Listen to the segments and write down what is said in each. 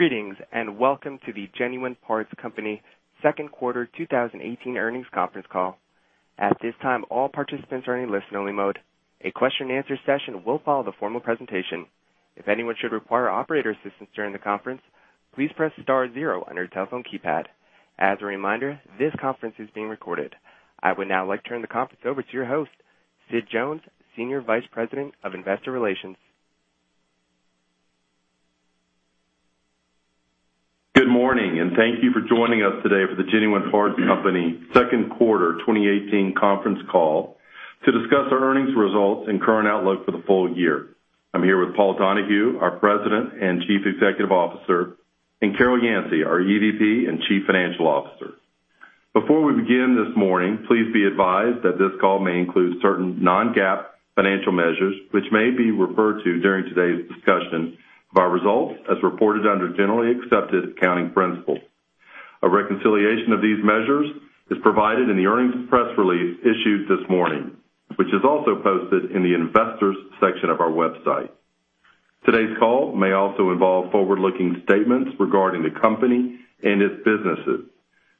Greetings, welcome to the Genuine Parts Company second quarter 2018 earnings conference call. At this time, all participants are in a listen-only mode. A question and answer session will follow the formal presentation. If anyone should require operator assistance during the conference, please press star zero on your telephone keypad. As a reminder, this conference is being recorded. I would now like to turn the conference over to your host, Sid Jones, Senior Vice President of Investor Relations. Good morning, thank you for joining us today for the Genuine Parts Company second quarter 2018 conference call to discuss our earnings results and current outlook for the full year. I'm here with Paul Donahue, our President and Chief Executive Officer, and Carol Yancey, our EVP and Chief Financial Officer. Before we begin this morning, please be advised that this call may include certain non-GAAP financial measures which may be referred to during today's discussion of our results as reported under generally accepted accounting principles. A reconciliation of these measures is provided in the earnings press release issued this morning, which is also posted in the investors section of our website. Today's call may also involve forward-looking statements regarding the company and its businesses.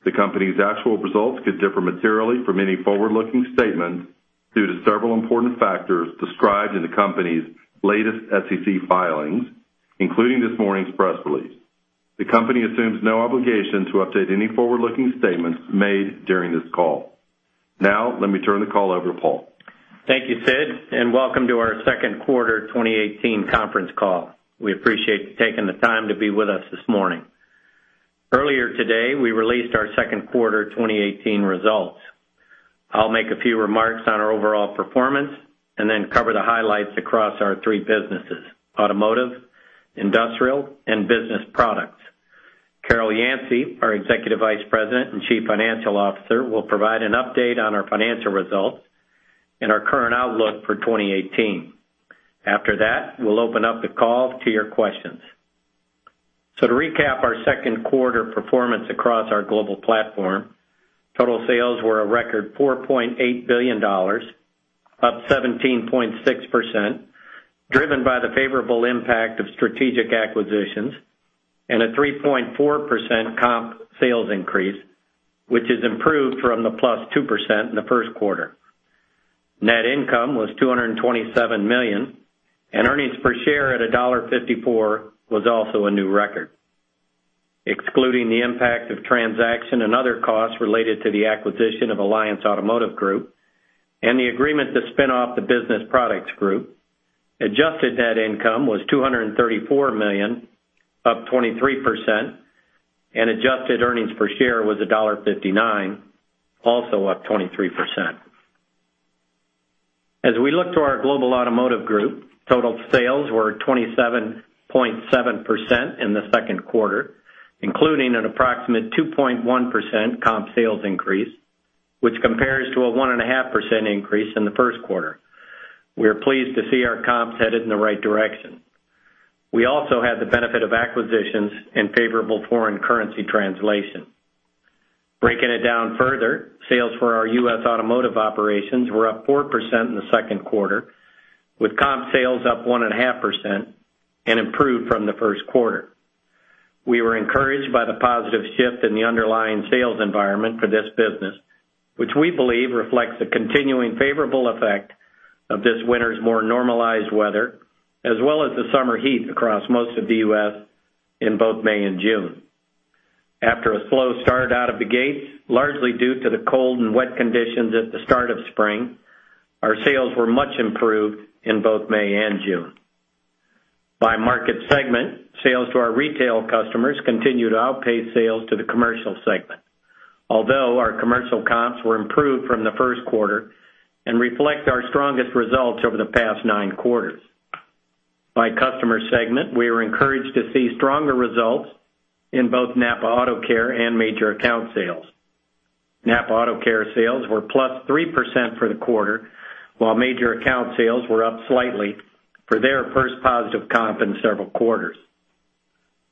The company's actual results could differ materially from any forward-looking statements due to several important factors described in the company's latest SEC filings, including this morning's press release. The company assumes no obligation to update any forward-looking statements made during this call. Now, let me turn the call over to Paul. Thank you, Sid, welcome to our second quarter 2018 conference call. We appreciate you taking the time to be with us this morning. Earlier today, we released our second quarter 2018 results. I'll make a few remarks on our overall performance cover the highlights across our three businesses, Automotive, Industrial, and Business Products. Carol Yancey, our Executive Vice President and Chief Financial Officer, will provide an update on our financial results and our current outlook for 2018. After that, we'll open up the call to your questions. To recap our second quarter performance across our global platform, total sales were a record $4.8 billion, up 17.6%, driven by the favorable impact of strategic acquisitions and a 3.4% comp sales increase, which has improved from the +2% in the first quarter. Net income was $227 million, and earnings per share at $1.54 was also a new record. Excluding the impact of transaction and other costs related to the acquisition of Alliance Automotive Group and the agreement to spin off the Business Products group, adjusted net income was $234 million, up 23%, and adjusted earnings per share was $1.59, also up 23%. As we look to our global automotive group, total sales were 27.7% in the second quarter, including an approximate 2.1% comp sales increase, which compares to a 1.5% increase in the first quarter. We are pleased to see our comps headed in the right direction. We also had the benefit of acquisitions and favorable foreign currency translation. Breaking it down further, sales for our U.S. automotive operations were up 4% in the second quarter, with comp sales up 1.5% and improved from the first quarter. We were encouraged by the positive shift in the underlying sales environment for this business, which we believe reflects the continuing favorable effect of this winter's more normalized weather, as well as the summer heat across most of the U.S. in both May and June. After a slow start out of the gates, largely due to the cold and wet conditions at the start of spring, our sales were much improved in both May and June. By market segment, sales to our retail customers continued to outpace sales to the commercial segment. Although our commercial comps were improved from the first quarter and reflect our strongest results over the past nine quarters. By customer segment, we were encouraged to see stronger results in both NAPA AutoCare and major account sales. NAPA AutoCare sales were plus 3% for the quarter, while major account sales were up slightly for their first positive comp in several quarters.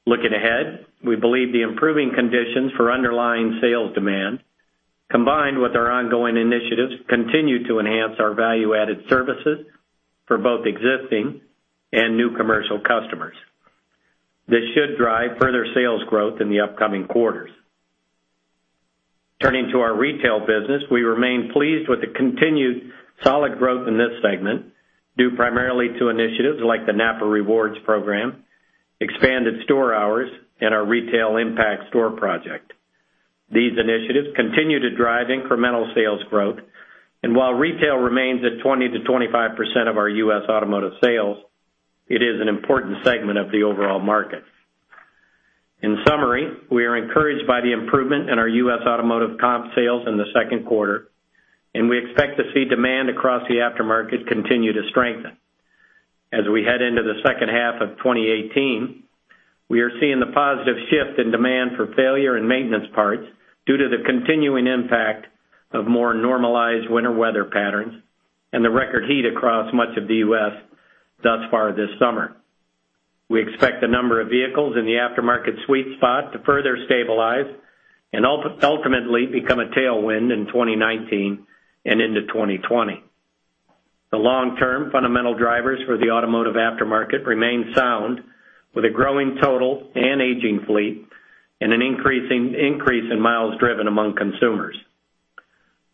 Looking ahead, we believe the improving conditions for underlying sales demand, combined with our ongoing initiatives, continue to enhance our value-added services for both existing and new commercial customers. This should drive further sales growth in the upcoming quarters. Turning to our retail business, we remain pleased with the continued solid growth in this segment, due primarily to initiatives like the NAPA Rewards program, expanded store hours, and our Retail Impact Store project. These initiatives continue to drive incremental sales growth, while retail remains at 20%-25% of our U.S. automotive sales, it is an important segment of the overall market. In summary, we are encouraged by the improvement in our U.S. automotive comp sales in the second quarter, we expect to see demand across the aftermarket continue to strengthen. As we head into the second half of 2018, we are seeing the positive shift in demand for failure and maintenance parts due to the continuing impact of more normalized winter weather patterns and the record heat across much of the U.S. thus far this summer. We expect the number of vehicles in the aftermarket sweet spot to further stabilize and ultimately become a tailwind in 2019 and into 2020. The long-term fundamental drivers for the automotive aftermarket remain sound, with a growing total and aging fleet and an increase in miles driven among consumers.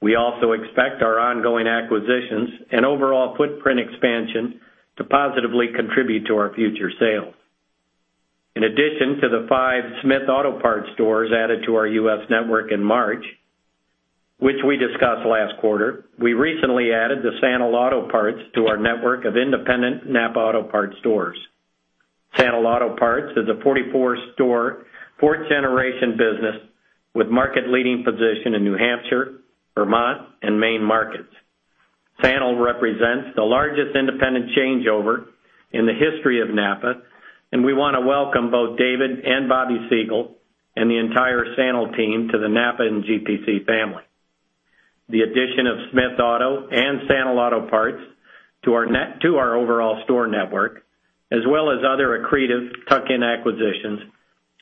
We also expect our ongoing acquisitions and overall footprint expansion to positively contribute to our future sales. In addition to the five Smith Auto Parts stores added to our U.S. network in March, which we discussed last quarter, we recently added the Sanel Auto Parts to our network of independent NAPA Auto Parts stores. Sanel Auto Parts is a 44-store, fourth generation business with market-leading position in New Hampshire, Vermont, and Maine markets. Sanel represents the largest independent changeover in the history of NAPA, and we want to welcome both David and Bobby Segal and the entire Sanel team to the NAPA and GPC family. The addition of Smith Auto and Sanel Auto Parts to our overall store network, as well as other accretive tuck-in acquisitions,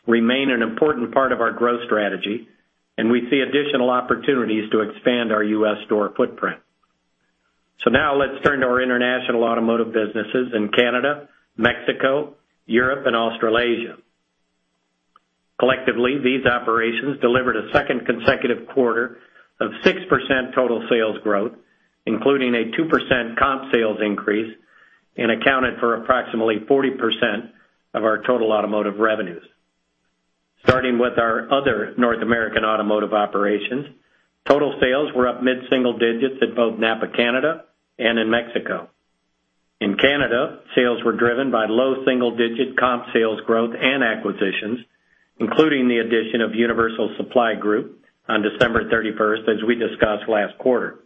remain an important part of our growth strategy, and we see additional opportunities to expand our U.S. store footprint. Now let's turn to our international automotive businesses in Canada, Mexico, Europe, and Australasia. Collectively, these operations delivered a second consecutive quarter of 6% total sales growth, including a 2% comp sales increase, and accounted for approximately 40% of our total automotive revenues. Starting with our other North American automotive operations, total sales were up mid-single digits at both NAPA Canada and in Mexico. In Canada, sales were driven by low single-digit comp sales growth and acquisitions, including the addition of Universal Supply Group on December 31st, as we discussed last quarter.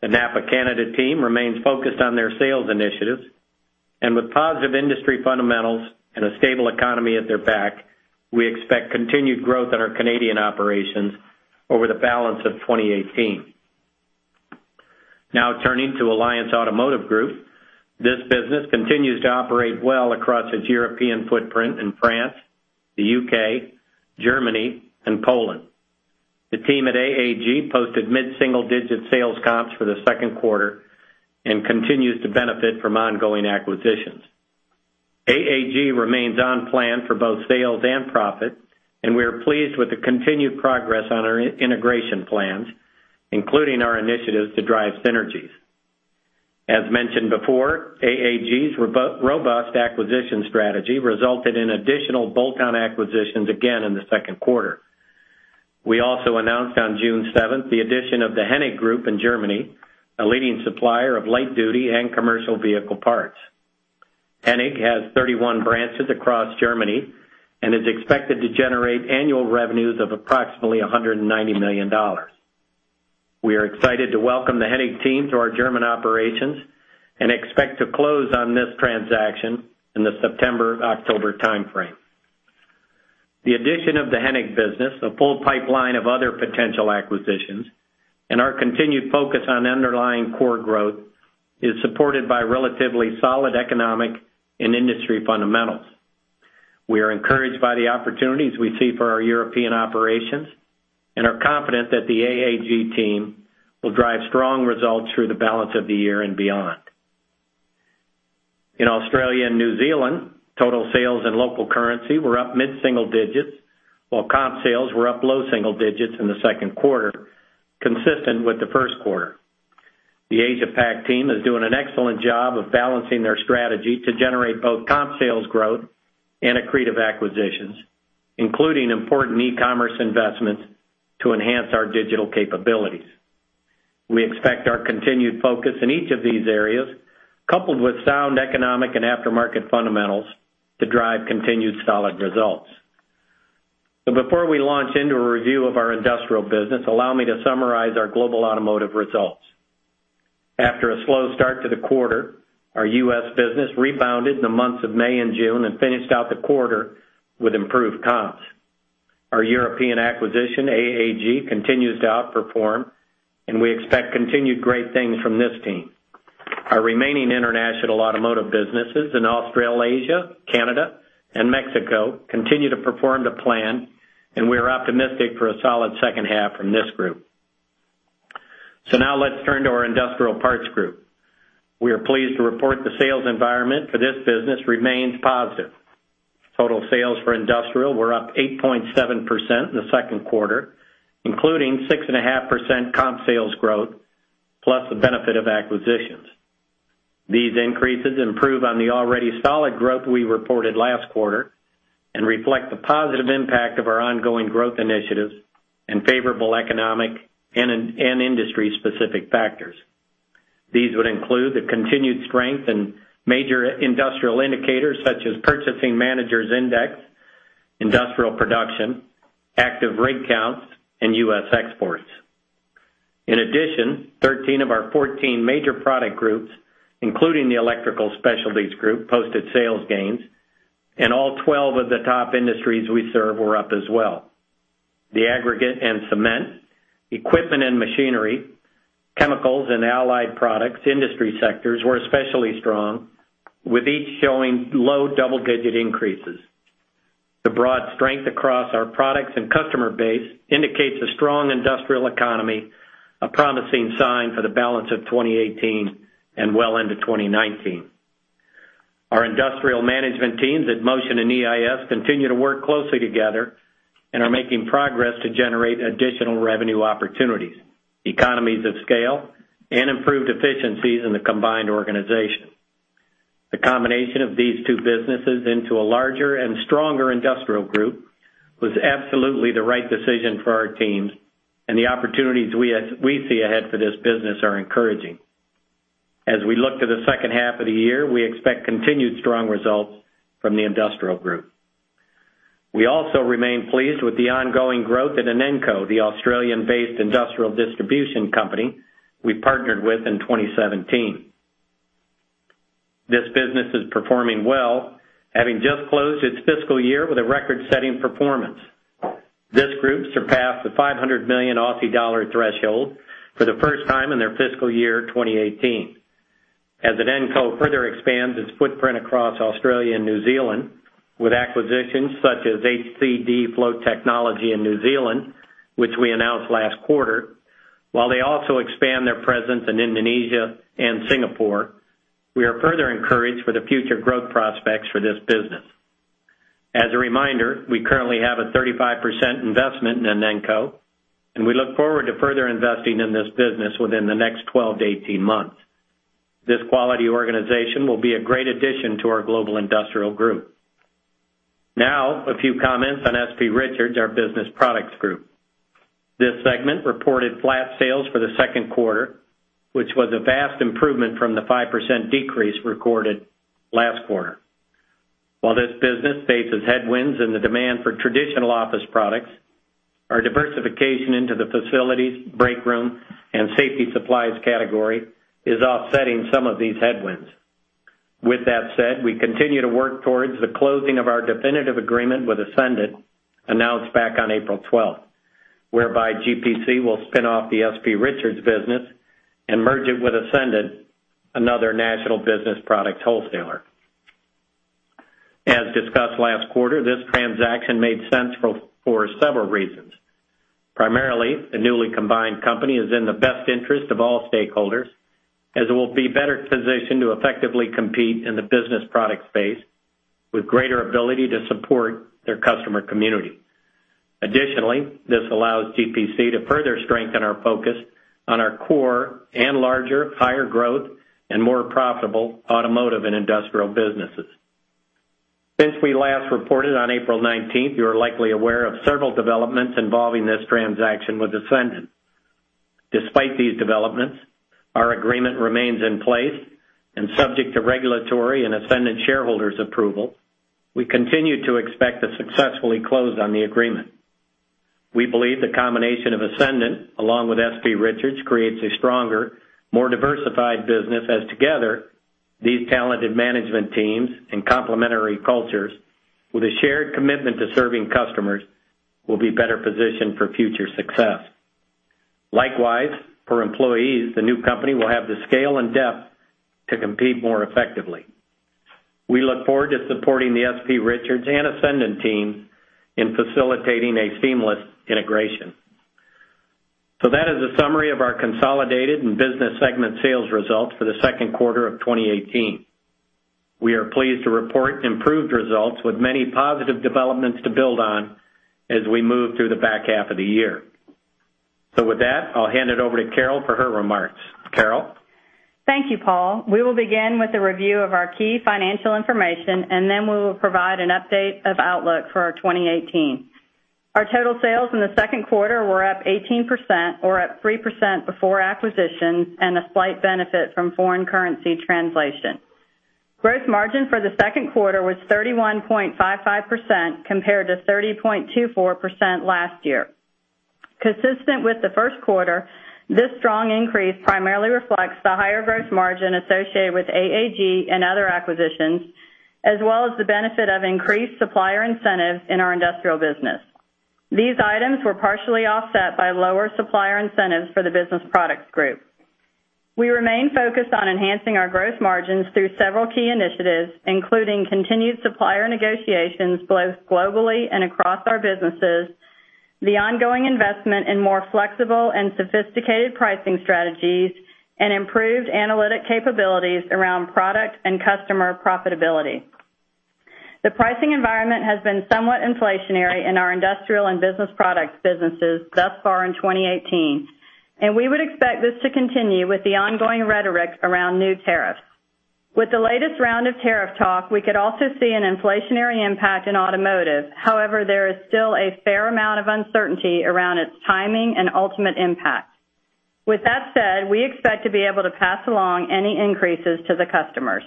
The NAPA Canada team remains focused on their sales initiatives, and with positive industry fundamentals and a stable economy at their back, we expect continued growth in our Canadian operations over the balance of 2018. Turning to Alliance Automotive Group. This business continues to operate well across its European footprint in France, the U.K., Germany, and Poland. The team at AAG posted mid-single digit sales comps for the second quarter and continues to benefit from ongoing acquisitions. AAG remains on plan for both sales and profit, and we are pleased with the continued progress on our integration plans, including our initiatives to drive synergies. As mentioned before, AAG's robust acquisition strategy resulted in additional bolt-on acquisitions again in the second quarter. We also announced on June 7th the addition of the Hennig Group in Germany, a leading supplier of light duty and commercial vehicle parts. Hennig has 31 branches across Germany and is expected to generate annual revenues of approximately $190 million. We are excited to welcome the Hennig team to our German operations and expect to close on this transaction in the September-October timeframe. The addition of the Hennig business, a full pipeline of other potential acquisitions, and our continued focus on underlying core growth is supported by relatively solid economic and industry fundamentals. We are encouraged by the opportunities we see for our European operations and are confident that the AAG team will drive strong results through the balance of the year and beyond. In Australia and New Zealand, total sales in local currency were up mid-single digits, while comp sales were up low single digits in the second quarter, consistent with the first quarter. The Asia Pac team is doing an excellent job of balancing their strategy to generate both comp sales growth and accretive acquisitions, including important e-commerce investments to enhance our digital capabilities. We expect our continued focus in each of these areas, coupled with sound economic and aftermarket fundamentals, to drive continued solid results. Before we launch into a review of our industrial business, allow me to summarize our global automotive results. After a slow start to the quarter, our U.S. business rebounded in the months of May and June and finished out the quarter with improved comps. Our European acquisition, AAG, continues to outperform, and we expect continued great things from this team. Our remaining international automotive businesses in Australasia, Canada, and Mexico continue to perform to plan, and we are optimistic for a solid second half from this group. Now let's turn to our Industrial Parts Group. We are pleased to report the sales environment for this business remains positive. Total sales for industrial were up 8.7% in the second quarter, including 6.5% comp sales growth, plus the benefit of acquisitions. These increases improve on the already solid growth we reported last quarter and reflect the positive impact of our ongoing growth initiatives and favorable economic and industry-specific factors. These would include the continued strength in major industrial indicators such as Purchasing Managers' Index, industrial production, active rig counts, and U.S. exports. In addition, 13 of our 14 major product groups, including the Electrical Specialties Group, posted sales gains, and all 12 of the top industries we serve were up as well. The aggregate and cement, equipment and machinery, chemicals and allied products industry sectors were especially strong, with each showing low double-digit increases. The broad strength across our products and customer base indicates a strong industrial economy, a promising sign for the balance of 2018 and well into 2019. Our industrial management teams at Motion and EIS continue to work closely together and are making progress to generate additional revenue opportunities, economies of scale, and improved efficiencies in the combined organization. The combination of these two businesses into a larger and stronger industrial group was absolutely the right decision for our teams, and the opportunities we see ahead for this business are encouraging. As we look to the second half of the year, we expect continued strong results from the industrial group. We also remain pleased with the ongoing growth at Inenco, the Australian-based industrial distribution company we partnered with in 2017. This business is performing well, having just closed its fiscal year with a record-setting performance. This group surpassed the 500 million Aussie dollar threshold for the first time in their fiscal year 2018. As Inenco further expands its footprint across Australia and New Zealand with acquisitions such as HCD Flow Technology in New Zealand, which we announced last quarter, while they also expand their presence in Indonesia and Singapore, we are further encouraged for the future growth prospects for this business. As a reminder, we currently have a 35% investment in Inenco, and we look forward to further investing in this business within the next 12 to 18 months. This quality organization will be a great addition to our global industrial group. A few comments on S.P. Richards, our Business Products Group. This segment reported flat sales for the second quarter, which was a vast improvement from the 5% decrease recorded last quarter. While this business faces headwinds in the demand for traditional office products, our diversification into the facilities, breakroom, and safety supplies category is offsetting some of these headwinds. With that said, we continue to work towards the closing of our definitive agreement with Essendant, announced back on April 12th, whereby GPC will spin off the S.P. Richards business and merge it with Essendant, another national business product wholesaler. As discussed last quarter, this transaction made sense for several reasons. Primarily, the newly combined company is in the best interest of all stakeholders, as it will be better positioned to effectively compete in the business product space with greater ability to support their customer community. Additionally, this allows GPC to further strengthen our focus on our core and larger, higher growth, and more profitable automotive and industrial businesses. Since we last reported on April 19th, you are likely aware of several developments involving this transaction with Essendant. Despite these developments, our agreement remains in place and subject to regulatory and Essendant shareholders approval, we continue to expect to successfully close on the agreement. We believe the combination of Essendant along with S.P. Richards creates a stronger, more diversified business as together, these talented management teams and complementary cultures with a shared commitment to serving customers will be better positioned for future success. Likewise, for employees, the new company will have the scale and depth to compete more effectively. We look forward to supporting the S.P. Richards and Essendant teams in facilitating a seamless integration. That is a summary of our consolidated and business segment sales results for the second quarter of 2018. We are pleased to report improved results with many positive developments to build on as we move through the back half of the year. With that, I'll hand it over to Carol for her remarks. Carol? Thank you, Paul. We will begin with a review of our key financial information, and then we will provide an update of outlook for our 2018. Our total sales in the second quarter were up 18% or up 3% before acquisition and a slight benefit from foreign currency translation. Gross margin for the second quarter was 31.55% compared to 30.24% last year. Consistent with the first quarter, this strong increase primarily reflects the higher gross margin associated with AAG and other acquisitions, as well as the benefit of increased supplier incentives in our industrial business. These items were partially offset by lower supplier incentives for the business products group. We remain focused on enhancing our gross margins through several key initiatives, including continued supplier negotiations both globally and across our businesses, the ongoing investment in more flexible and sophisticated pricing strategies, and improved analytic capabilities around product and customer profitability. The pricing environment has been somewhat inflationary in our industrial and business product businesses thus far in 2018, we would expect this to continue with the ongoing rhetoric around new tariffs. With the latest round of tariff talk, we could also see an inflationary impact in automotive. However, there is still a fair amount of uncertainty around its timing and ultimate impact. With that said, we expect to be able to pass along any increases to the customers.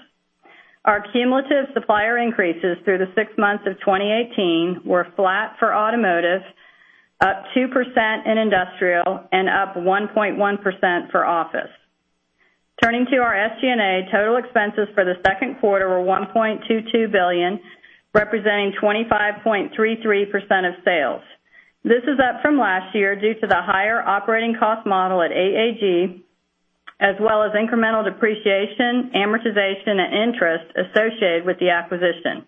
Our cumulative supplier increases through the six months of 2018 were flat for automotive, up 2% in industrial, and up 1.1% for office. Turning to our SG&A, total expenses for the second quarter were $1.22 billion, representing 25.33% of sales. This is up from last year due to the higher operating cost model at AAG as well as incremental depreciation, amortization, and interest associated with the acquisition.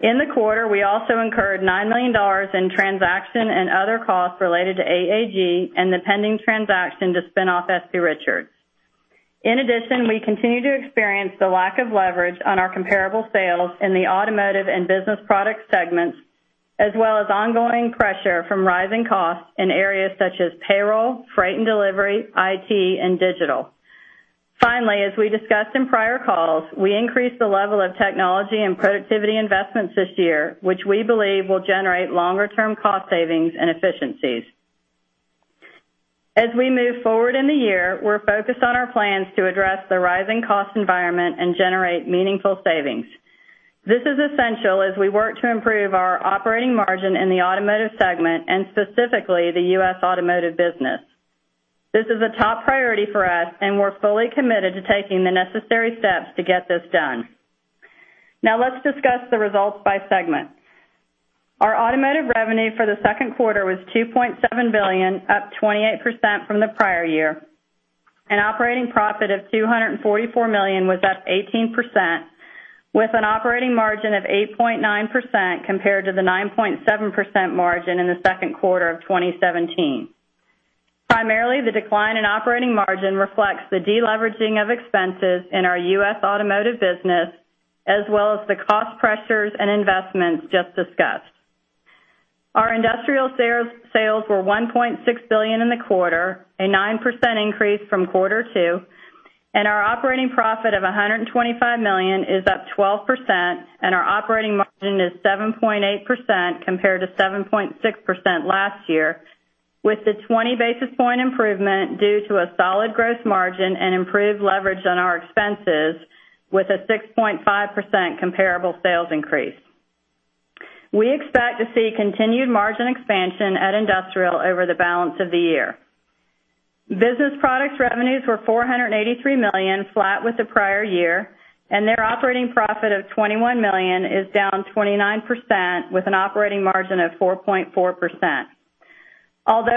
In the quarter, we also incurred $9 million in transaction and other costs related to AAG and the pending transaction to spin off S.P. Richards. We continue to experience the lack of leverage on our comparable sales in the Automotive and Business Products segments, as well as ongoing pressure from rising costs in areas such as payroll, freight and delivery, IT, and digital. As we discussed in prior calls, we increased the level of technology and productivity investments this year, which we believe will generate longer-term cost savings and efficiencies. We move forward in the year, we're focused on our plans to address the rising cost environment and generate meaningful savings. This is essential as we work to improve our operating margin in the Automotive segment and specifically the U.S. Automotive business. This is a top priority for us, we're fully committed to taking the necessary steps to get this done. Let's discuss the results by segment. Our Automotive revenue for the second quarter was $2.7 billion, up 28% from the prior year, operating profit of $244 million was up 18%, with an operating margin of 8.9% compared to the 9.7% margin in the second quarter of 2017. The decline in operating margin reflects the deleveraging of expenses in our U.S. Automotive business, as well as the cost pressures and investments just discussed. Our Industrial sales were $1.6 billion in the quarter, a 9% increase from quarter two, our operating profit of $125 million is up 12%, our operating margin is 7.8% compared to 7.6% last year, with the 20 basis point improvement due to a solid gross margin and improved leverage on our expenses with a 6.5% comparable sales increase. We expect to see continued margin expansion at Industrial over the balance of the year. Business Products revenues were $483 million, flat with the prior year, their operating profit of $21 million is down 29% with an operating margin of 4.4%.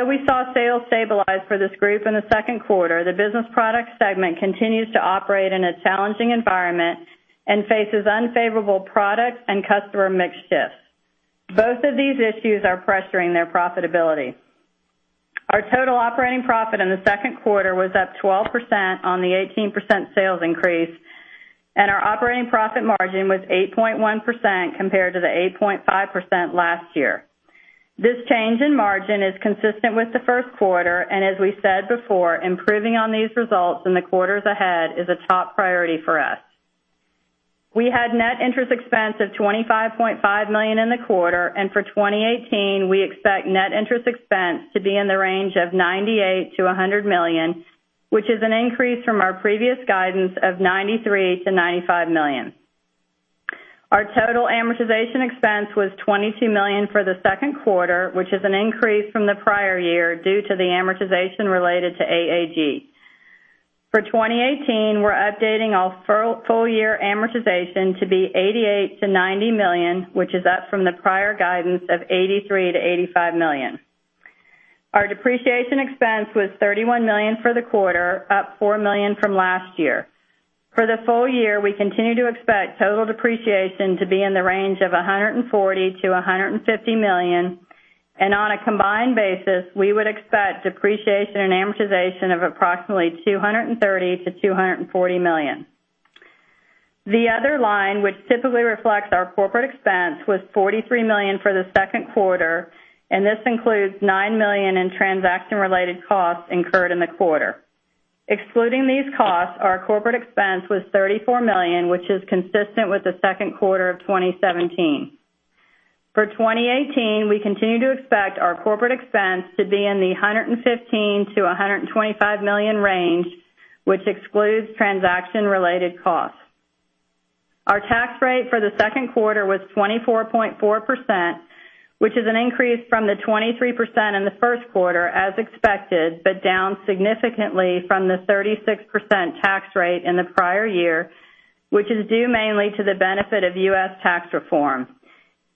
We saw sales stabilize for this group in the second quarter, the Business Products segment continues to operate in a challenging environment and faces unfavorable product and customer mix shifts. Both of these issues are pressuring their profitability. Our total operating profit in the second quarter was up 12% on the 18% sales increase, and our operating profit margin was 8.1% compared to the 8.5% last year. This change in margin is consistent with the first quarter, and as we said before, improving on these results in the quarters ahead is a top priority for us. We had net interest expense of $25.5 million in the quarter, and for 2018, we expect net interest expense to be in the range of $98 million-$100 million, which is an increase from our previous guidance of $93 million-$95 million. Our total amortization expense was $22 million for the second quarter, which is an increase from the prior year due to the amortization related to AAG. For 2018, we're updating our full year amortization to be $88 million-$90 million, which is up from the prior guidance of $83 million-$85 million. Our depreciation expense was $31 million for the quarter, up $4 million from last year. For the full year, we continue to expect total depreciation to be in the range of $140 million-$150 million, and on a combined basis, we would expect depreciation and amortization of approximately $230 million-$240 million. The other line, which typically reflects our corporate expense, was $43 million for the second quarter, and this includes $9 million in transaction-related costs incurred in the quarter. Excluding these costs, our corporate expense was $34 million, which is consistent with the second quarter of 2017. For 2018, we continue to expect our corporate expense to be in the $115 million-$125 million range, which excludes transaction-related costs. Our tax rate for the second quarter was 24.4%, which is an increase from the 23% in the first quarter as expected, but down significantly from the 36% tax rate in the prior year, which is due mainly to the benefit of U.S. tax reform.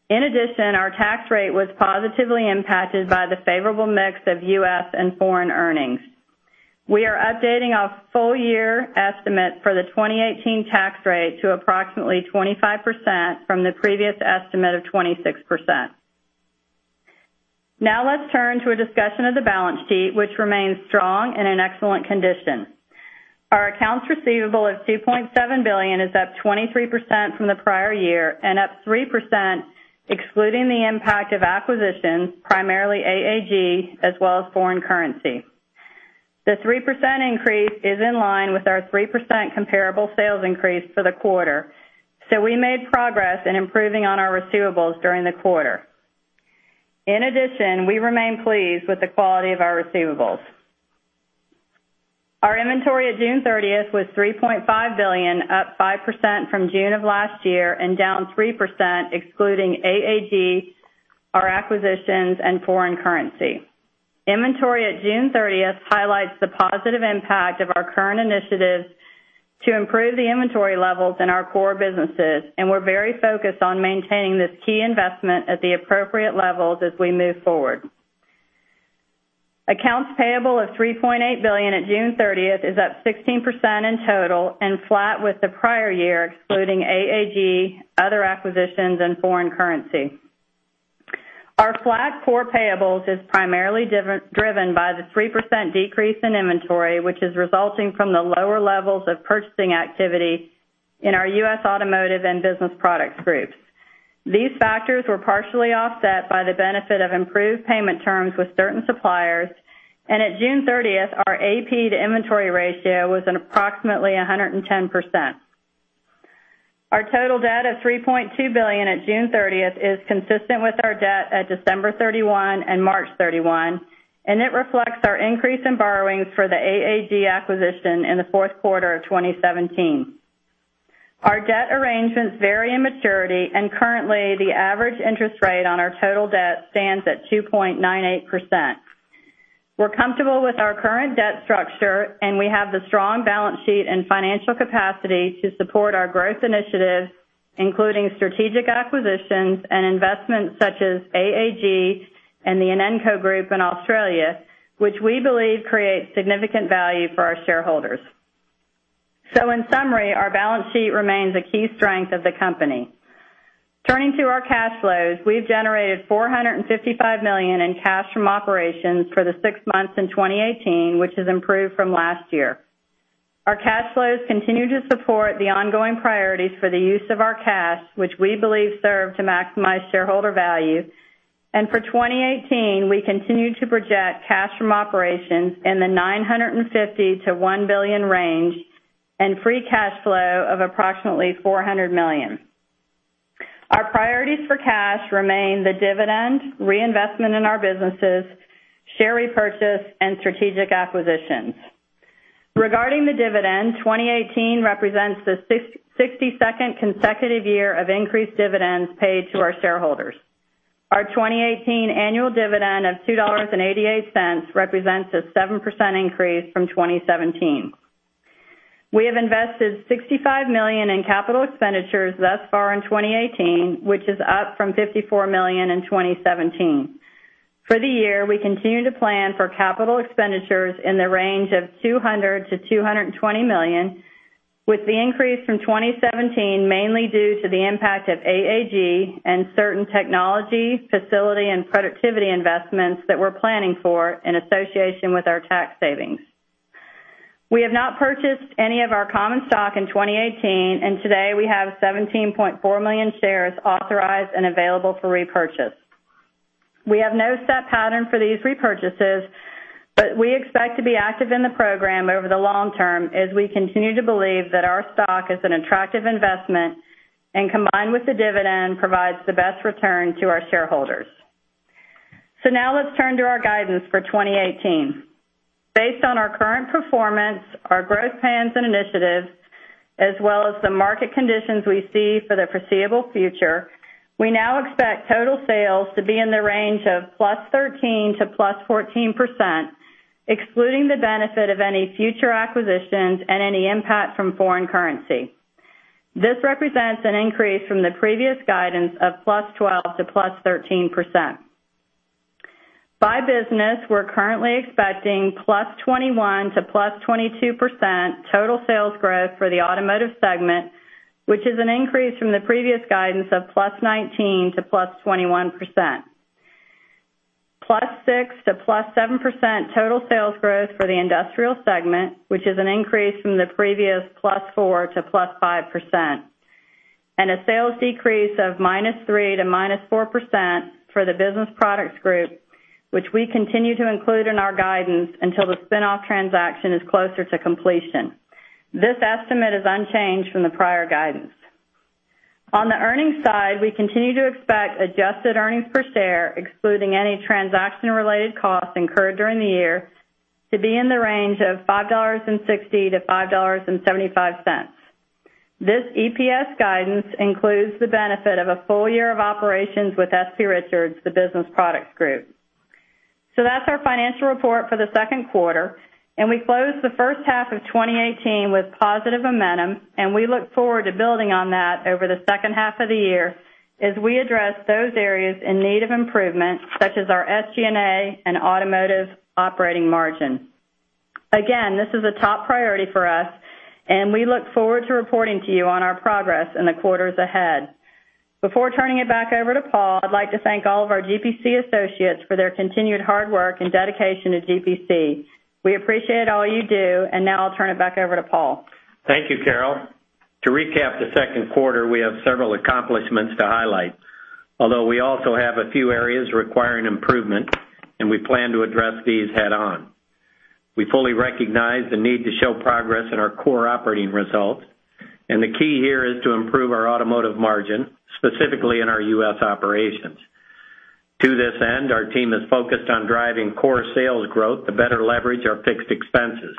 In addition, our tax rate was positively impacted by the favorable mix of U.S. and foreign earnings. We are updating our full year estimate for the 2018 tax rate to approximately 25% from the previous estimate of 26%. Let's turn to a discussion of the balance sheet, which remains strong and in excellent condition. Our accounts receivable of $2.7 billion is up 23% from the prior year and up 3% excluding the impact of acquisitions, primarily AAG, as well as foreign currency. The 3% increase is in line with our 3% comparable sales increase for the quarter. We made progress in improving on our receivables during the quarter. In addition, we remain pleased with the quality of our receivables. Our inventory at June 30th was $3.5 billion, up 5% from June of last year and down 3% excluding AAG, our acquisitions, and foreign currency. Inventory at June 30th highlights the positive impact of our current initiatives to improve the inventory levels in our core businesses, and we're very focused on maintaining this key investment at the appropriate levels as we move forward. Accounts payable of $3.8 billion at June 30th is up 16% in total, and flat with the prior year, excluding AAG, other acquisitions, and foreign currency. Our flat core payables is primarily driven by the 3% decrease in inventory, which is resulting from the lower levels of purchasing activity in our U.S. Automotive and Business Products groups. These factors were partially offset by the benefit of improved payment terms with certain suppliers, and at June 30th, our AP to inventory ratio was approximately 110%. Our total debt of $3.2 billion at June 30th is consistent with our debt at December 31 and March 31, and it reflects our increase in borrowings for the AAG acquisition in the fourth quarter of 2017. Our debt arrangements vary in maturity, and currently, the average interest rate on our total debt stands at 2.98%. We're comfortable with our current debt structure, and we have the strong balance sheet and financial capacity to support our growth initiatives, including strategic acquisitions and investments such as AAG and the Inenco Group in Australia, which we believe creates significant value for our shareholders. In summary, our balance sheet remains a key strength of the company. Turning to our cash flows, we've generated $455 million in cash from operations for the six months in 2018, which has improved from last year. Our cash flows continue to support the ongoing priorities for the use of our cash, which we believe serve to maximize shareholder value. For 2018, we continue to project cash from operations in the $950 million to $1 billion range and free cash flow of approximately $400 million. Our priorities for cash remain the dividend, reinvestment in our businesses, share repurchase, and strategic acquisitions. Regarding the dividend, 2018 represents the 62nd consecutive year of increased dividends paid to our shareholders. Our 2018 annual dividend of $2.88 represents a 7% increase from 2017. We have invested $65 million in capital expenditures thus far in 2018, which is up from $54 million in 2017. For the year, we continue to plan for capital expenditures in the range of $200 million-$220 million, with the increase from 2017 mainly due to the impact of AAG and certain technology, facility, and productivity investments that we're planning for in association with our tax savings. We have not purchased any of our common stock in 2018, and today we have 17.4 million shares authorized and available for repurchase. We have no set pattern for these repurchases, but we expect to be active in the program over the long term as we continue to believe that our stock is an attractive investment and combined with the dividend, provides the best return to our shareholders. Now let's turn to our guidance for 2018. Based on our current performance, our growth plans and initiatives, as well as the market conditions we see for the foreseeable future, we now expect total sales to be in the range of +13% to +14%, excluding the benefit of any future acquisitions and any impact from foreign currency. This represents an increase from the previous guidance of +12% to +13%. By business, we're currently expecting +21% to +22% total sales growth for the Automotive segment, which is an increase from the previous guidance of +19% to +21%. +6% to +7% total sales growth for the Industrial segment, which is an increase from the previous +4% to +5%. A sales decrease of -3% to -4% for the Business Products group, which we continue to include in our guidance until the spin-off transaction is closer to completion. This estimate is unchanged from the prior guidance. On the earnings side, we continue to expect adjusted earnings per share, excluding any transaction-related costs incurred during the year, to be in the range of $5.60 to $5.75. This EPS guidance includes the benefit of a full year of operations with S.P. Richards, the Business Products group. That's our financial report for the second quarter, and we closed the first half of 2018 with positive momentum, and we look forward to building on that over the second half of the year as we address those areas in need of improvement, such as our SG&A and Automotive operating margin. This is a top priority for us, and we look forward to reporting to you on our progress in the quarters ahead. Before turning it back over to Paul, I'd like to thank all of our GPC associates for their continued hard work and dedication to GPC. We appreciate all you do, and now I'll turn it back over to Paul. Thank you, Carol. To recap the second quarter, we have several accomplishments to highlight. We also have a few areas requiring improvement, and we plan to address these head-on. We fully recognize the need to show progress in our core operating results. The key here is to improve our automotive margin, specifically in our U.S. operations. To this end, our team is focused on driving core sales growth to better leverage our fixed expenses.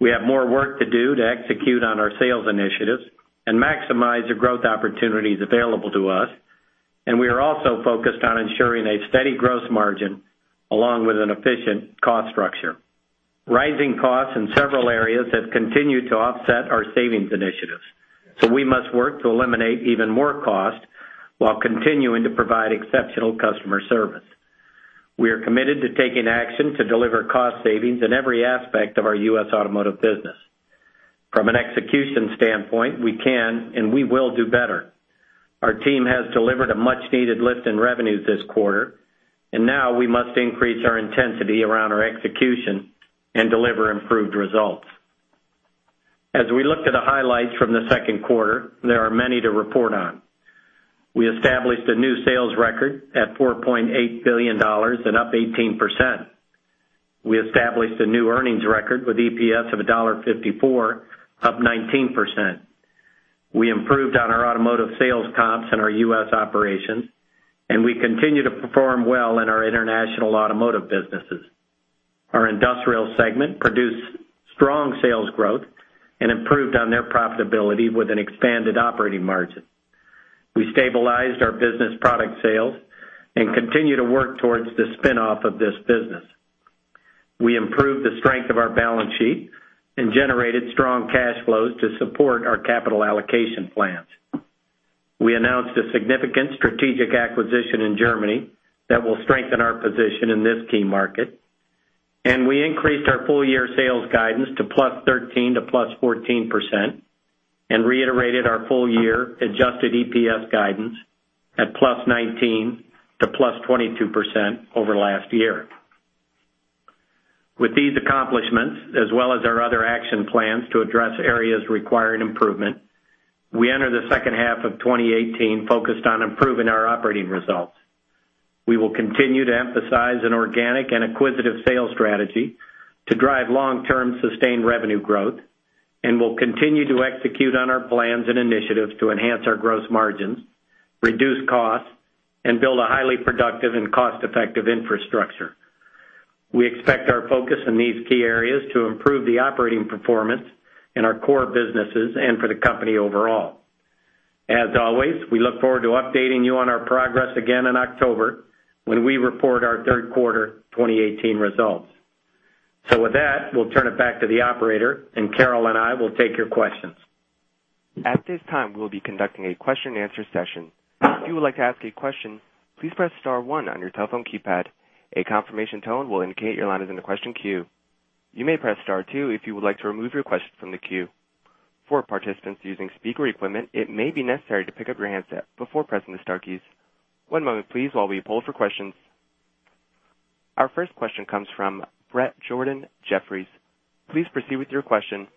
We have more work to do to execute on our sales initiatives and maximize the growth opportunities available to us. We are also focused on ensuring a steady growth margin along with an efficient cost structure. Rising costs in several areas have continued to offset our savings initiatives. We must work to eliminate even more cost while continuing to provide exceptional customer service. We are committed to taking action to deliver cost savings in every aspect of our U.S. automotive business. From an execution standpoint, we can and we will do better. Our team has delivered a much-needed lift in revenues this quarter, and now we must increase our intensity around our execution and deliver improved results. As we look at the highlights from the second quarter, there are many to report on. We established a new sales record at $4.8 billion and up 18%. We established a new earnings record with EPS of $1.54, up 19%. We improved on our automotive sales comps in our U.S. operations, and we continue to perform well in our international automotive businesses. Our industrial segment produced strong sales growth and improved on their profitability with an expanded operating margin. We stabilized our business product sales and continue to work towards the spinoff of this business. We improved the strength of our balance sheet and generated strong cash flows to support our capital allocation plans. We announced a significant strategic acquisition in Germany that will strengthen our position in this key market. We increased our full-year sales guidance to +13% to +14% and reiterated our full-year adjusted EPS guidance at +19% to +22% over last year. With these accomplishments, as well as our other action plans to address areas requiring improvement, we enter the second half of 2018 focused on improving our operating results. We will continue to emphasize an organic and acquisitive sales strategy to drive long-term sustained revenue growth and will continue to execute on our plans and initiatives to enhance our gross margins, reduce costs, and build a highly productive and cost-effective infrastructure. We expect our focus in these key areas to improve the operating performance in our core businesses and for the company overall. As always, we look forward to updating you on our progress again in October when we report our third quarter 2018 results. With that, we'll turn it back to the operator, and Carol and I will take your questions. At this time, we'll be conducting a question and answer session. If you would like to ask a question, please press star one on your telephone keypad. A confirmation tone will indicate your line is in the question queue. You may press star two if you would like to remove your question from the queue. For participants using speaker equipment, it may be necessary to pick up your handset before pressing the star keys. One moment please while we poll for questions. Our first question comes from Bret Jordan, Jefferies. Please proceed with your question.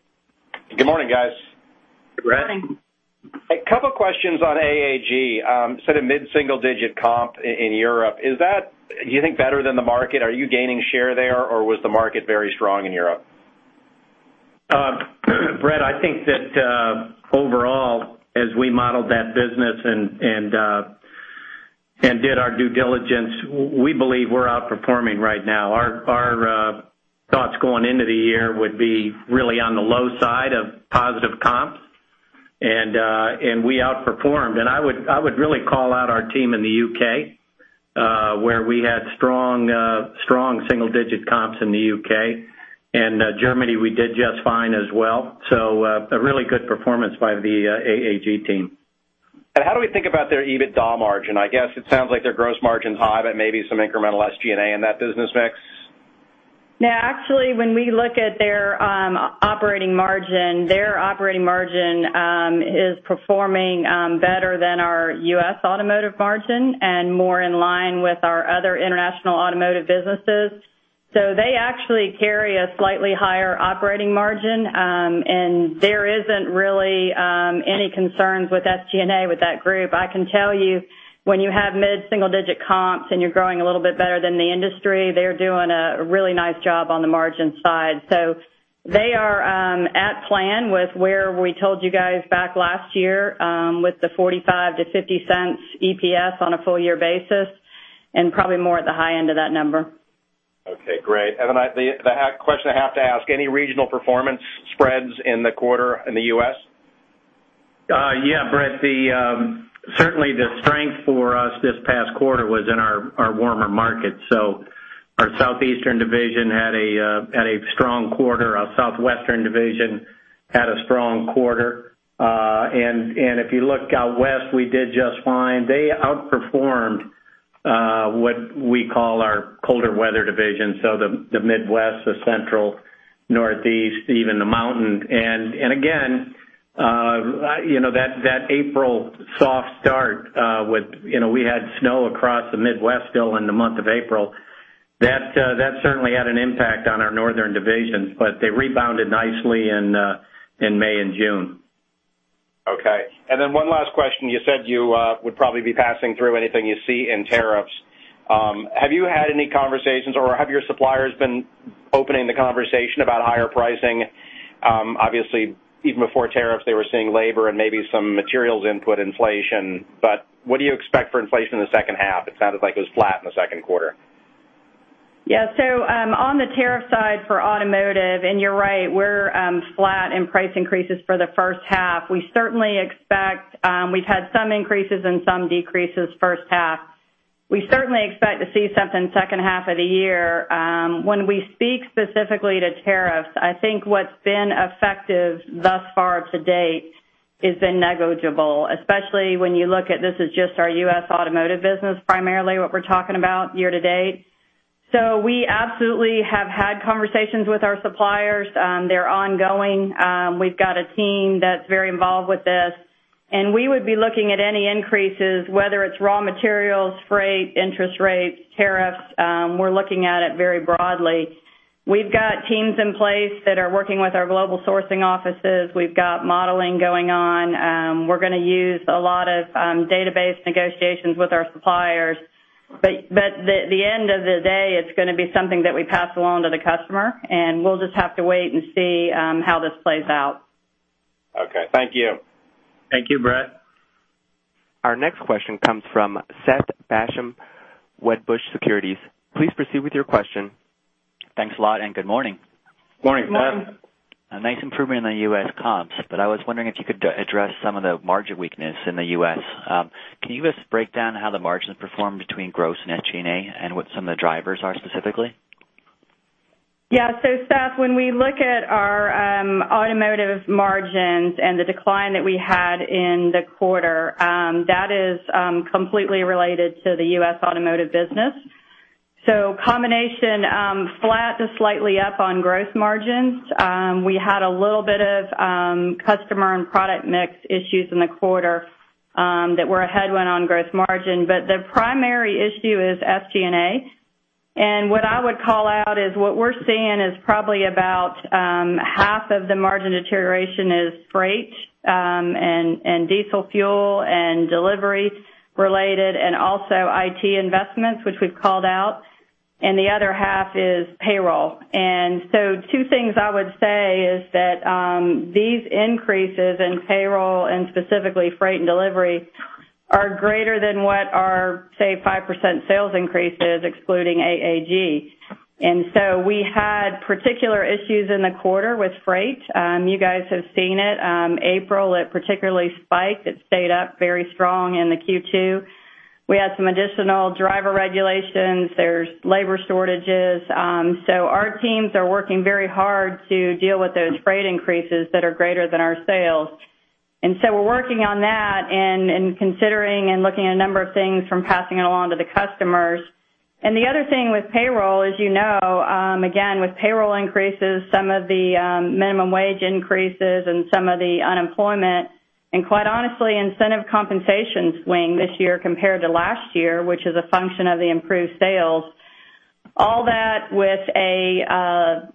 Good morning, guys. Good morning. Good morning. A couple of questions on AAG, sort of mid-single digit comp in Europe. Is that, do you think, better than the market? Are you gaining share there, or was the market very strong in Europe? Bret, I think that, overall, as we modeled that business and did our due diligence, we believe we're outperforming right now. Our thoughts going into the year would be really on the low side of positive comps, we outperformed. I would really call out our team in the U.K., where we had strong single-digit comps in the U.K. Germany, we did just fine as well. A really good performance by the AAG team. How do we think about their EBITDA margin? I guess it sounds like their gross margin's high, but maybe some incremental SG&A in that business mix. No, actually, when we look at their operating margin, their operating margin is performing better than our U.S. automotive margin and more in line with our other international automotive businesses. They actually carry a slightly higher operating margin, and there isn't really any concerns with SG&A with that group. I can tell you when you have mid-single digit comps and you're growing a little bit better than the industry, they're doing a really nice job on the margin side. They are at plan with where we told you guys back last year, with the $0.45-$0.50 EPS on a full year basis, and probably more at the high end of that number. Okay, great. The question I have to ask, any regional performance spreads in the quarter in the U.S.? Yeah, Bret, certainly the strength for us this past quarter was in our warmer markets. Our Southeastern division had a strong quarter. Our Southwestern division had a strong quarter. If you look out west, we did just fine. They outperformed what we call our colder weather division, so the Midwest, the Central, Northeast, even the Mountain. Again, that April soft start with we had snow across the Midwest still in the month of April. That certainly had an impact on our northern divisions, but they rebounded nicely in May and June. Okay. One last question. You said you would probably be passing through anything you see in tariffs. Have you had any conversations or have your suppliers been opening the conversation about higher pricing? Obviously, even before tariffs, they were seeing labor and maybe some materials input inflation. What do you expect for inflation in the second half? It sounded like it was flat in the second quarter. Yeah. On the tariff side for automotive, you're right, we're flat in price increases for the first half. We've had some increases and some decreases first half. We certainly expect to see something second half of the year. When we speak specifically to tariffs, I think what's been effective thus far to date has been negligible, especially when you look at this is just our U.S. automotive business, primarily what we're talking about year to date. We absolutely have had conversations with our suppliers. They're ongoing. We've got a team that's very involved with this, we would be looking at any increases, whether it's raw materials, freight, interest rates, tariffs. We're looking at it very broadly. We've got teams in place that are working with our global sourcing offices. We've got modeling going on. We're going to use a lot of database negotiations with our suppliers, the end of the day, it's going to be something that we pass along to the customer, we'll just have to wait and see how this plays out. Okay. Thank you. Thank you, Bret. Our next question comes from Seth Basham, Wedbush Securities. Please proceed with your question. Thanks a lot, and good morning. Morning, Seth. Morning. A nice improvement in the U.S. comps, I was wondering if you could address some of the margin weakness in the U.S. Can you just break down how the margins performed between gross and SG&A and what some of the drivers are specifically? Seth, when we look at our automotive margins and the decline that we had in the quarter, that is completely related to the U.S. automotive business. Combination, flat to slightly up on gross margins. We had a little bit of customer and product mix issues in the quarter that were a headwind on gross margin. The primary issue is SG&A. What I would call out is what we're seeing is probably about half of the margin deterioration is freight and diesel fuel and delivery-related, and also IT investments, which we've called out, and the other half is payroll. Two things I would say is that these increases in payroll, and specifically freight and delivery, are greater than what our, say, 5% sales increase is, excluding AAG. We had particular issues in the quarter with freight. You guys have seen it. April, it particularly spiked. It stayed up very strong in the Q2. We had some additional driver regulations. There's labor shortages. Our teams are working very hard to deal with those freight increases that are greater than our sales. We're working on that and considering and looking at a number of things from passing it along to the customers. The other thing with payroll, as you know, again, with payroll increases, some of the minimum wage increases and some of the unemployment, and quite honestly, incentive compensation swing this year compared to last year, which is a function of the improved sales. All that with a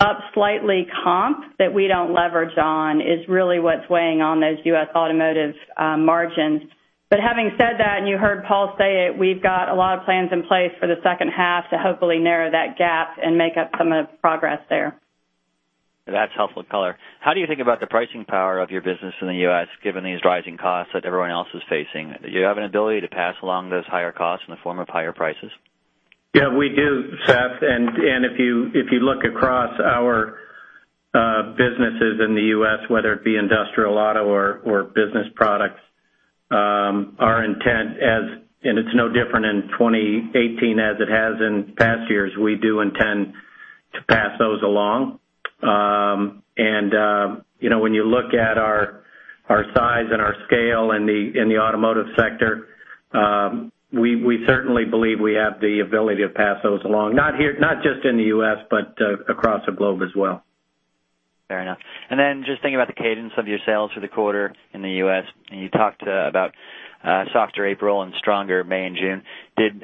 up slightly comp that we don't leverage on is really what's weighing on those U.S. automotive margins. Having said that, and you heard Paul say it, we've got a lot of plans in place for the second half to hopefully narrow that gap and make up some of the progress there. That's helpful color. How do you think about the pricing power of your business in the U.S., given these rising costs that everyone else is facing? Do you have an ability to pass along those higher costs in the form of higher prices? Yeah, we do, Seth. If you look across our businesses in the U.S., whether it be industrial, auto, or business products, our intent as, it's no different in 2018 as it has in past years, we do intend to pass those along. When you look at our size and our scale in the automotive sector, we certainly believe we have the ability to pass those along, not just in the U.S., but across the globe as well. Fair enough. Just thinking about the cadence of your sales for the quarter in the U.S., you talked about softer April and stronger May and June.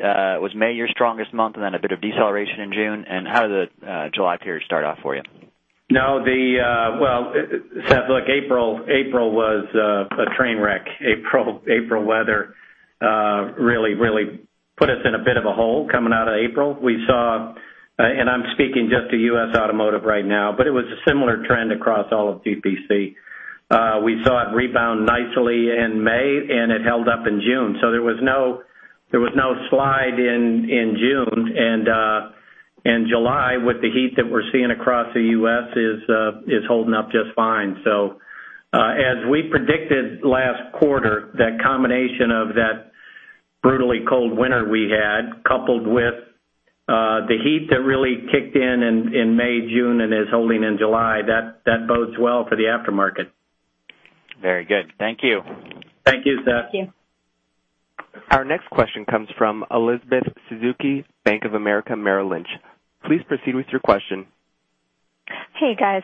Was May your strongest month then a bit of deceleration in June? How did the July period start off for you? No. Well, Seth, look, April was a train wreck. April weather really put us in a bit of a hole coming out of April. We saw, I'm speaking just to U.S. automotive right now, but it was a similar trend across all of GPC. We saw it rebound nicely in May, it held up in June. There was no slide in June, July, with the heat that we're seeing across the U.S., is holding up just fine. As we predicted last quarter, that combination of that brutally cold winter we had, coupled with the heat that really kicked in in May, June, and is holding in July, that bodes well for the aftermarket. Very good. Thank you. Thank you, Seth. Thank you. Our next question comes from Elizabeth Suzuki, Bank of America, Merrill Lynch. Please proceed with your question. Hey, guys.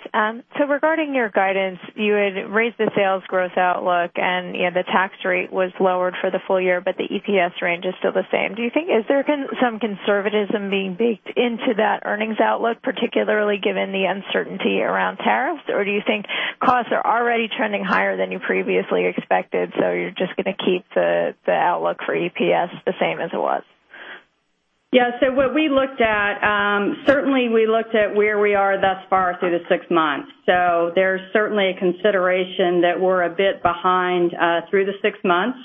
Regarding your guidance, you had raised the sales growth outlook and the tax rate was lowered for the full year, but the EPS range is still the same. Do you think is there some conservatism being baked into that earnings outlook, particularly given the uncertainty around tariffs? Do you think costs are already trending higher than you previously expected, so you're just going to keep the outlook for EPS the same as it was? Yeah. Certainly, we looked at where we are thus far through the six months. There's certainly a consideration that we're a bit behind through the six months.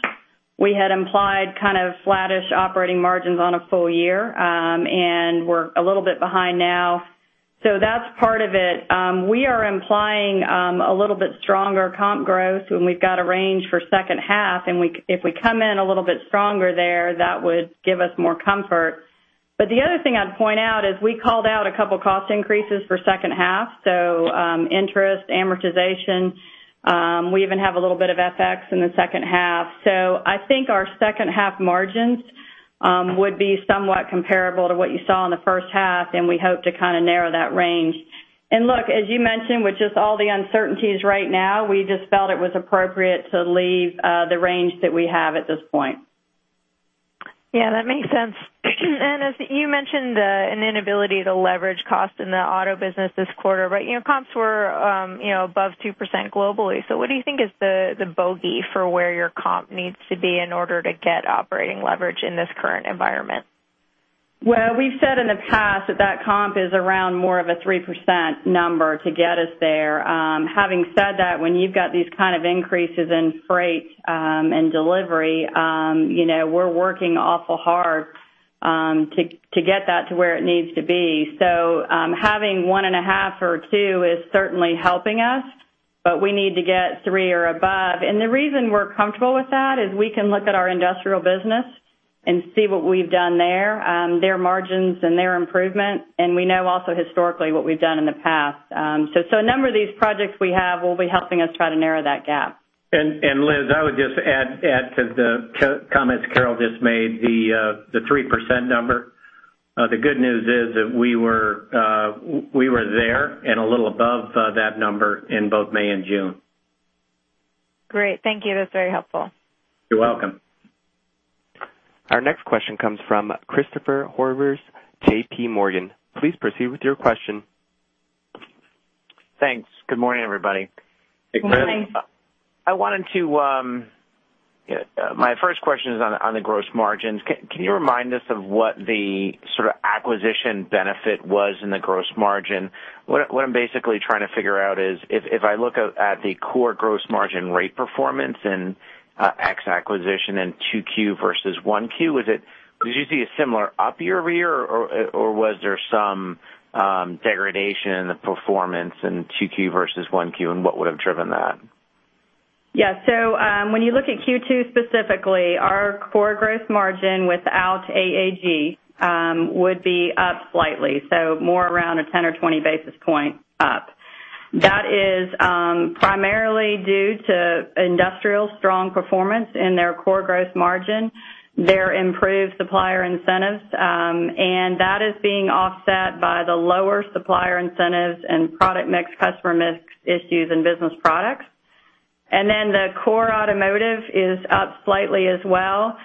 We had implied kind of flattish operating margins on a full year, and we're a little bit behind now. That's part of it. We are implying a little bit stronger comp growth when we've got a range for second half, and if we come in a little bit stronger there, that would give us more comfort. The other thing I'd point out is I called out a couple cost increases for second half. Interest, amortization. We even have a little bit of FX in the second half. I think our second half margins would be somewhat comparable to what you saw in the first half, and we hope to kind of narrow that range. Look, as you mentioned, with just all the uncertainties right now, we just felt it was appropriate to leave the range that we have at this point. Yeah, that makes sense. As you mentioned, an inability to leverage cost in the auto business this quarter, but comps were above 2% globally. What do you think is the bogey for where your comp needs to be in order to get operating leverage in this current environment? We've said in the past that comp is around more of a 3% number to get us there. Having said that, when you've got these kind of increases in freight and delivery, we're working awful hard to get that to where it needs to be. Having one and a half or two is certainly helping us, but we need to get three or above. The reason we're comfortable with that is we can look at our industrial business and see what we've done there, their margins and their improvement, and we know also historically what we've done in the past. A number of these projects we have will be helping us try to narrow that gap. Liz, I would just add to the comments Carol just made, the 3% number. The good news is that we were there and a little above that number in both May and June. Great. Thank you. That's very helpful. You're welcome. Our next question comes from Christopher Horvers, J.P. Morgan. Please proceed with your question. Thanks. Good morning, everybody. Good morning. My first question is on the gross margins. Can you remind us of what the sort of acquisition benefit was in the gross margin? What I'm basically trying to figure out is if I look at the core gross margin rate performance and ex-acquisition in 2Q versus 1Q, did you see a similar up year-over-year or was there some degradation in the performance in 2Q versus 1Q, and what would've driven that? Yeah. When you look at Q2 specifically, our core gross margin without AAG would be up slightly, more around a 10 or 20 basis point up. That is primarily due to industrial strong performance in their core gross margin, their improved supplier incentives, and that is being offset by the lower supplier incentives and product mix, customer mix issues, and business products. The core automotive is up slightly as well.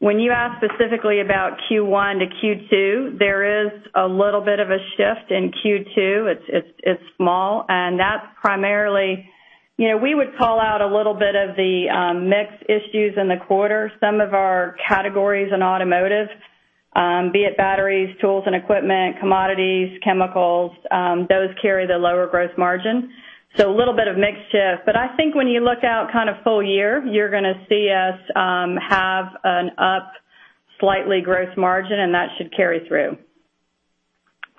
When you ask specifically about Q1 to Q2, there is a little bit of a shift in Q2. It's small. We would call out a little bit of the mix issues in the quarter. Some of our categories in automotive, be it batteries, tools and equipment, commodities, chemicals, those carry the lower gross margin. A little bit of mix shift, I think when you look out kind of full year, you're going to see us have an up slightly gross margin, and that should carry through.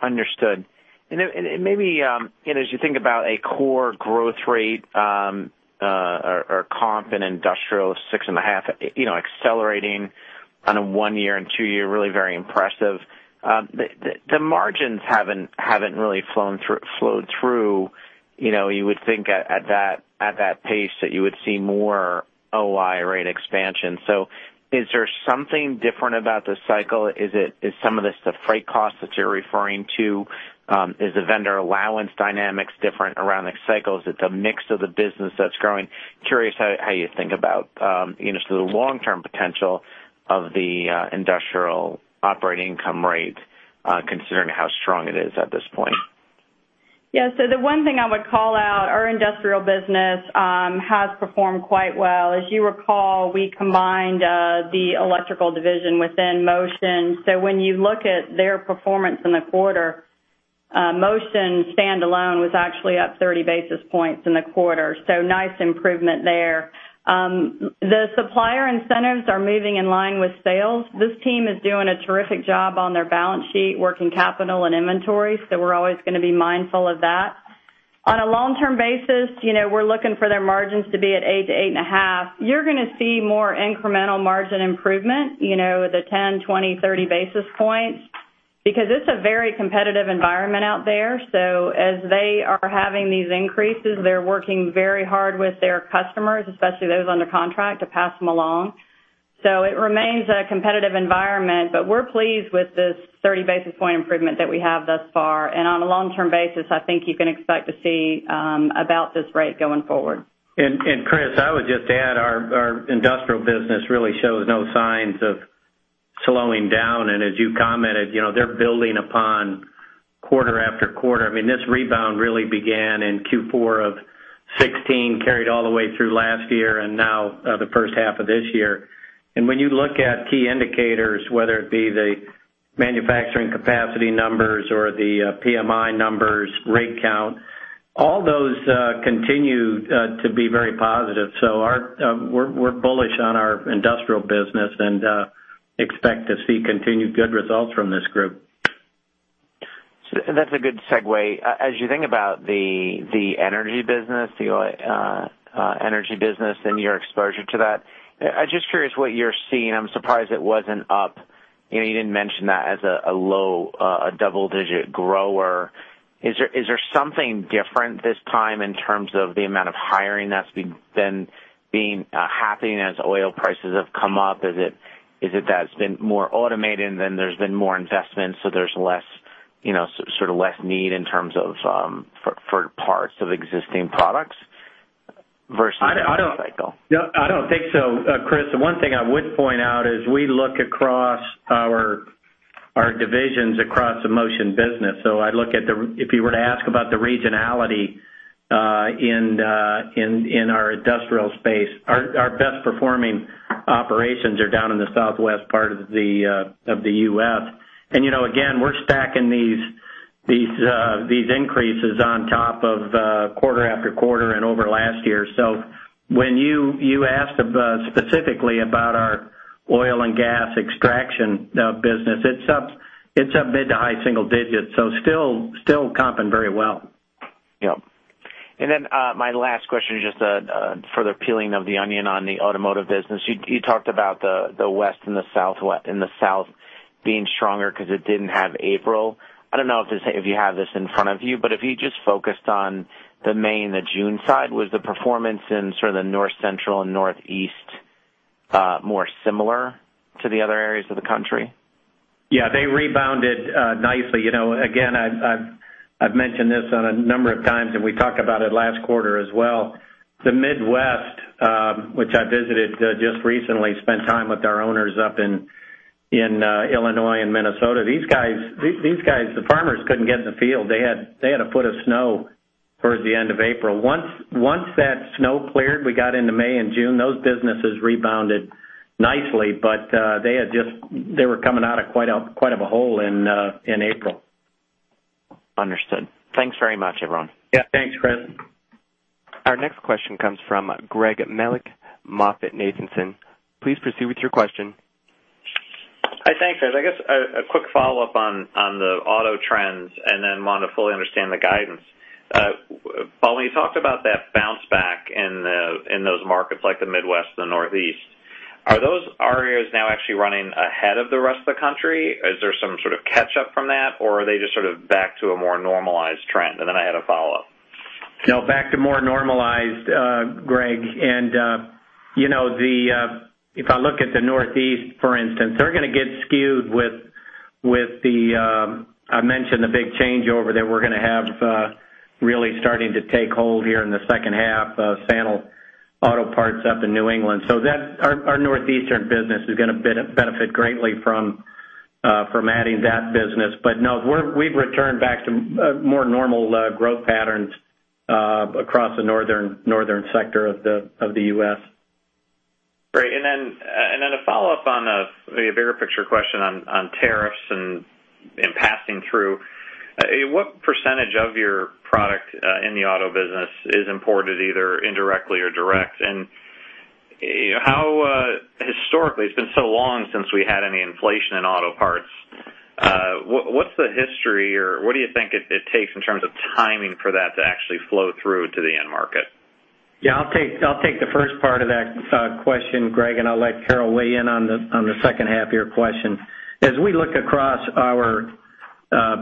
Understood. Maybe, as you think about a core growth rate or comp in industrial six and a half, accelerating on a one year and two year, really very impressive. The margins haven't really flowed through. You would think at that pace that you would see more OI rate expansion. Is there something different about the cycle? Is some of this the freight cost that you're referring to? Is the vendor allowance dynamics different around the cycles? It's a mix of the business that's growing. Curious how you think about the long-term potential of the industrial operating income rate, considering how strong it is at this point. Yeah. The one thing I would call out, our industrial business has performed quite well. As you recall, we combined the electrical division within Motion. When you look at their performance in the quarter, Motion standalone was actually up 30 basis points in the quarter. Nice improvement there. The supplier incentives are moving in line with sales. This team is doing a terrific job on their balance sheet, working capital, and inventory, we're always going to be mindful of that. On a long-term basis, we're looking for their margins to be at eight to eight and a half. You're going to see more incremental margin improvement, the 10, 20, 30 basis points, because it's a very competitive environment out there. As they are having these increases, they're working very hard with their customers, especially those under contract, to pass them along. It remains a competitive environment, but we're pleased with this 30 basis point improvement that we have thus far. On a long-term basis, I think you can expect to see about this rate going forward. Chris, I would just add, our industrial business really shows no signs of slowing down, and as you commented, they're building upon quarter after quarter. I mean, this rebound really began in Q4 of 2016, carried all the way through last year and now the first half of this year. When you look at key indicators, whether it be the manufacturing capacity numbers or the PMI numbers, rig count, all those continue to be very positive. We're bullish on our industrial business and expect to see continued good results from this group. That's a good segue. As you think about the energy business and your exposure to that, I'm just curious what you're seeing. I'm surprised it wasn't up. You didn't mention that as a low double-digit grower. Is there something different this time in terms of the amount of hiring that's been happening as oil prices have come up? Is it that it's been more automated and there's been more investment, so there's less need in terms of parts of existing products versus the product cycle? No, I don't think so, Chris. The one thing I would point out is we look across our divisions across the Motion business. If you were to ask about the regionality in our industrial space, our best-performing operations are down in the Southwest part of the U.S. Again, we're stacking these increases on top of quarter after quarter and over last year. When you asked specifically about our oil and gas extraction business, it's up mid to high single digits, so still comping very well. Yep. My last question is just a further peeling of the onion on the Automotive business. You talked about the West and the South being stronger because it didn't have April. I don't know if you have this in front of you, but if you just focused on the May and June side, was the performance in sort of the North Central and Northeast more similar to the other areas of the country? Yeah, they rebounded nicely. Again, I've mentioned this on a number of times, and we talked about it last quarter as well. The Midwest, which I visited just recently, spent time with our owners up in Illinois and Minnesota. These guys, the farmers couldn't get in the field. They had a foot of snow towards the end of April. Once that snow cleared, we got into May and June, those businesses rebounded nicely, but they were coming out of quite of a hole in April. Understood. Thanks very much, everyone. Yeah. Thanks, Chris. Our next question comes from Greg Melich, MoffettNathanson. Please proceed with your question. Hi, thanks. I guess a quick follow-up on the auto trends. I want to fully understand the guidance. Paul, when you talked about that bounce back in those markets like the Midwest and the Northeast, are those areas now actually running ahead of the rest of the country? Is there some sort of catch-up from that, or are they just sort of back to a more normalized trend? I had a follow-up. No, back to more normalized, Greg. If I look at the Northeast, for instance, they're going to get skewed with the, I mentioned the big changeover that we're going to have really starting to take hold here in the second half of Sanel Auto Parts up in New England. Our Northeastern business is going to benefit greatly from adding that business. No, we've returned back to more normal growth patterns across the northern sector of the U.S. Great. A follow-up on a bigger picture question on tariffs and passing through. What percentage of your product in the Auto business is imported, either indirectly or direct? Historically, it's been so long since we had any inflation in auto parts. What's the history, or what do you think it takes in terms of timing for that to actually flow through to the end market? I'll take the first part of that question, Greg, and I'll let Carol weigh in on the second half of your question. As we look across our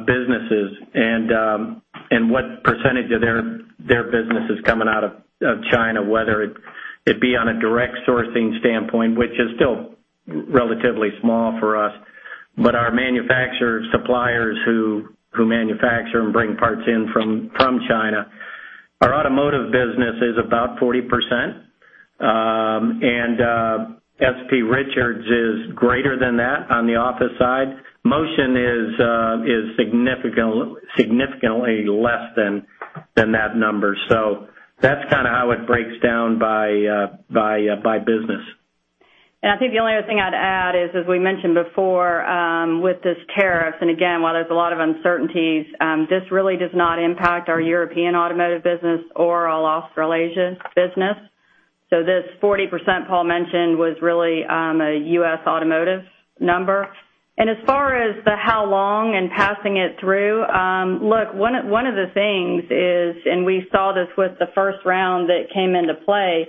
businesses and what percentage of their business is coming out of China, whether it be on a direct sourcing standpoint, which is still relatively small for us, but our manufacturer suppliers who manufacture and bring parts in from China, our Automotive business is about 40%, and S.P. Richards is greater than that on the office side. Motion is significantly less than that number. That's kind of how it breaks down by business. I think the only other thing I'd add is, as we mentioned before, with this tariff, again, while there's a lot of uncertainties, this really does not impact our European Automotive business or our Australasia business. This 40% Paul mentioned was really a U.S. Automotive number. As far as the how long and passing it through, look, one of the things is, we saw this with the first round that came into play,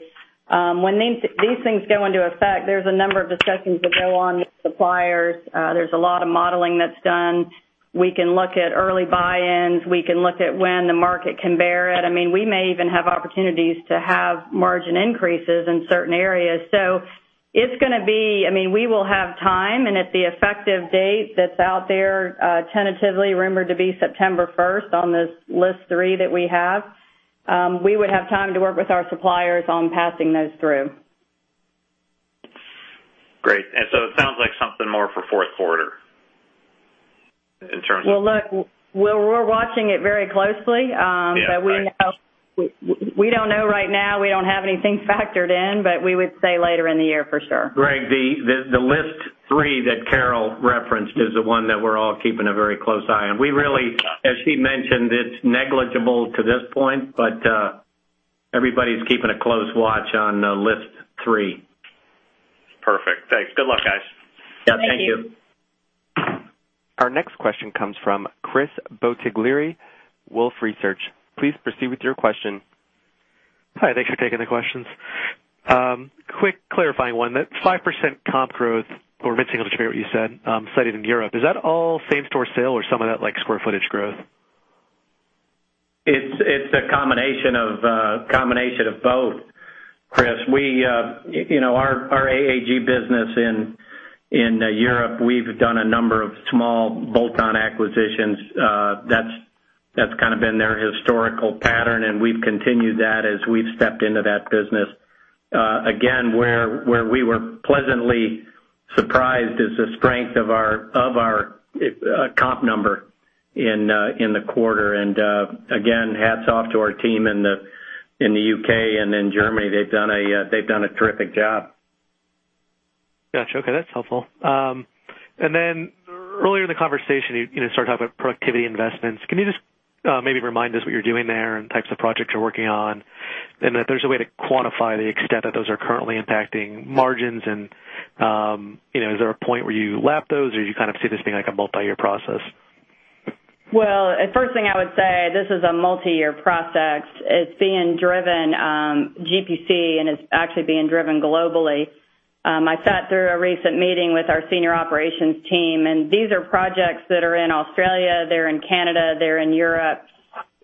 when these things go into effect, there's a number of discussions that go on with suppliers. There's a lot of modeling that's done. We can look at early buy-ins. We can look at when the market can bear it. I mean, we may even have opportunities to have margin increases in certain areas. I mean, we will have time, at the effective date that's out there tentatively rumored to be September 1st on this list three that we have, we would have time to work with our suppliers on passing those through. Great. It sounds like something more for fourth quarter. Well, look, we're watching it very closely. Yeah. Right. We don't know right now. We don't have anything factored in, but we would say later in the year for sure. Greg, the list three that Carol referenced is the one that we're all keeping a very close eye on. We really, as she mentioned, it's negligible to this point, but everybody's keeping a close watch on list three. Perfect. Thanks. Good luck, guys. Yeah, thank you. Thank you. Our next question comes from Chris Bottiglieri, Wolfe Research. Please proceed with your question. Hi, thanks for taking the questions. Quick clarifying one. That 5% comp growth, or maybe I'll just repeat what you said, cited in Europe, is that all same-store sale or some of that square footage growth? It's a combination of both, Chris. Our AAG business in Europe, we've done a number of small bolt-on acquisitions. That's kind of been their historical pattern, we've continued that as we've stepped into that business. Again, where we were pleasantly surprised is the strength of our comp number in the quarter. Again, hats off to our team in the U.K. and in Germany. They've done a terrific job. Got you. Okay. That's helpful. Then earlier in the conversation, you started talking about productivity investments. Can you just maybe remind us what you're doing there and types of projects you're working on? If there's a way to quantify the extent that those are currently impacting margins, is there a point where you lap those, or do you kind of see this being like a multi-year process? Well, first thing I would say, this is a multi-year process. It's being driven GPC, it's actually being driven globally. I sat through a recent meeting with our senior operations team, these are projects that are in Australia, they're in Canada, they're in Europe.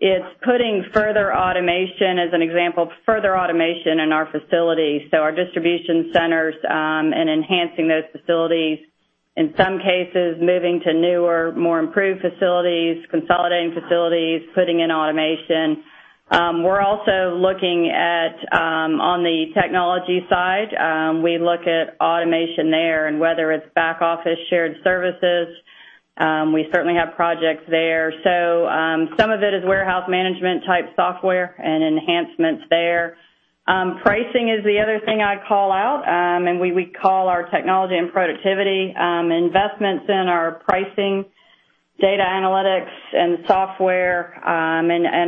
It's putting further automation, as an example, further automation in our facilities. Our distribution centers, and enhancing those facilities. In some cases, moving to newer, more improved facilities, consolidating facilities, putting in automation. We're also looking at, on the technology side, we look at automation there and whether it's back office shared services. We certainly have projects there. Some of it is warehouse management type software and enhancements there. Pricing is the other thing I'd call out. We call our technology and productivity investments in our pricing, data analytics, and software.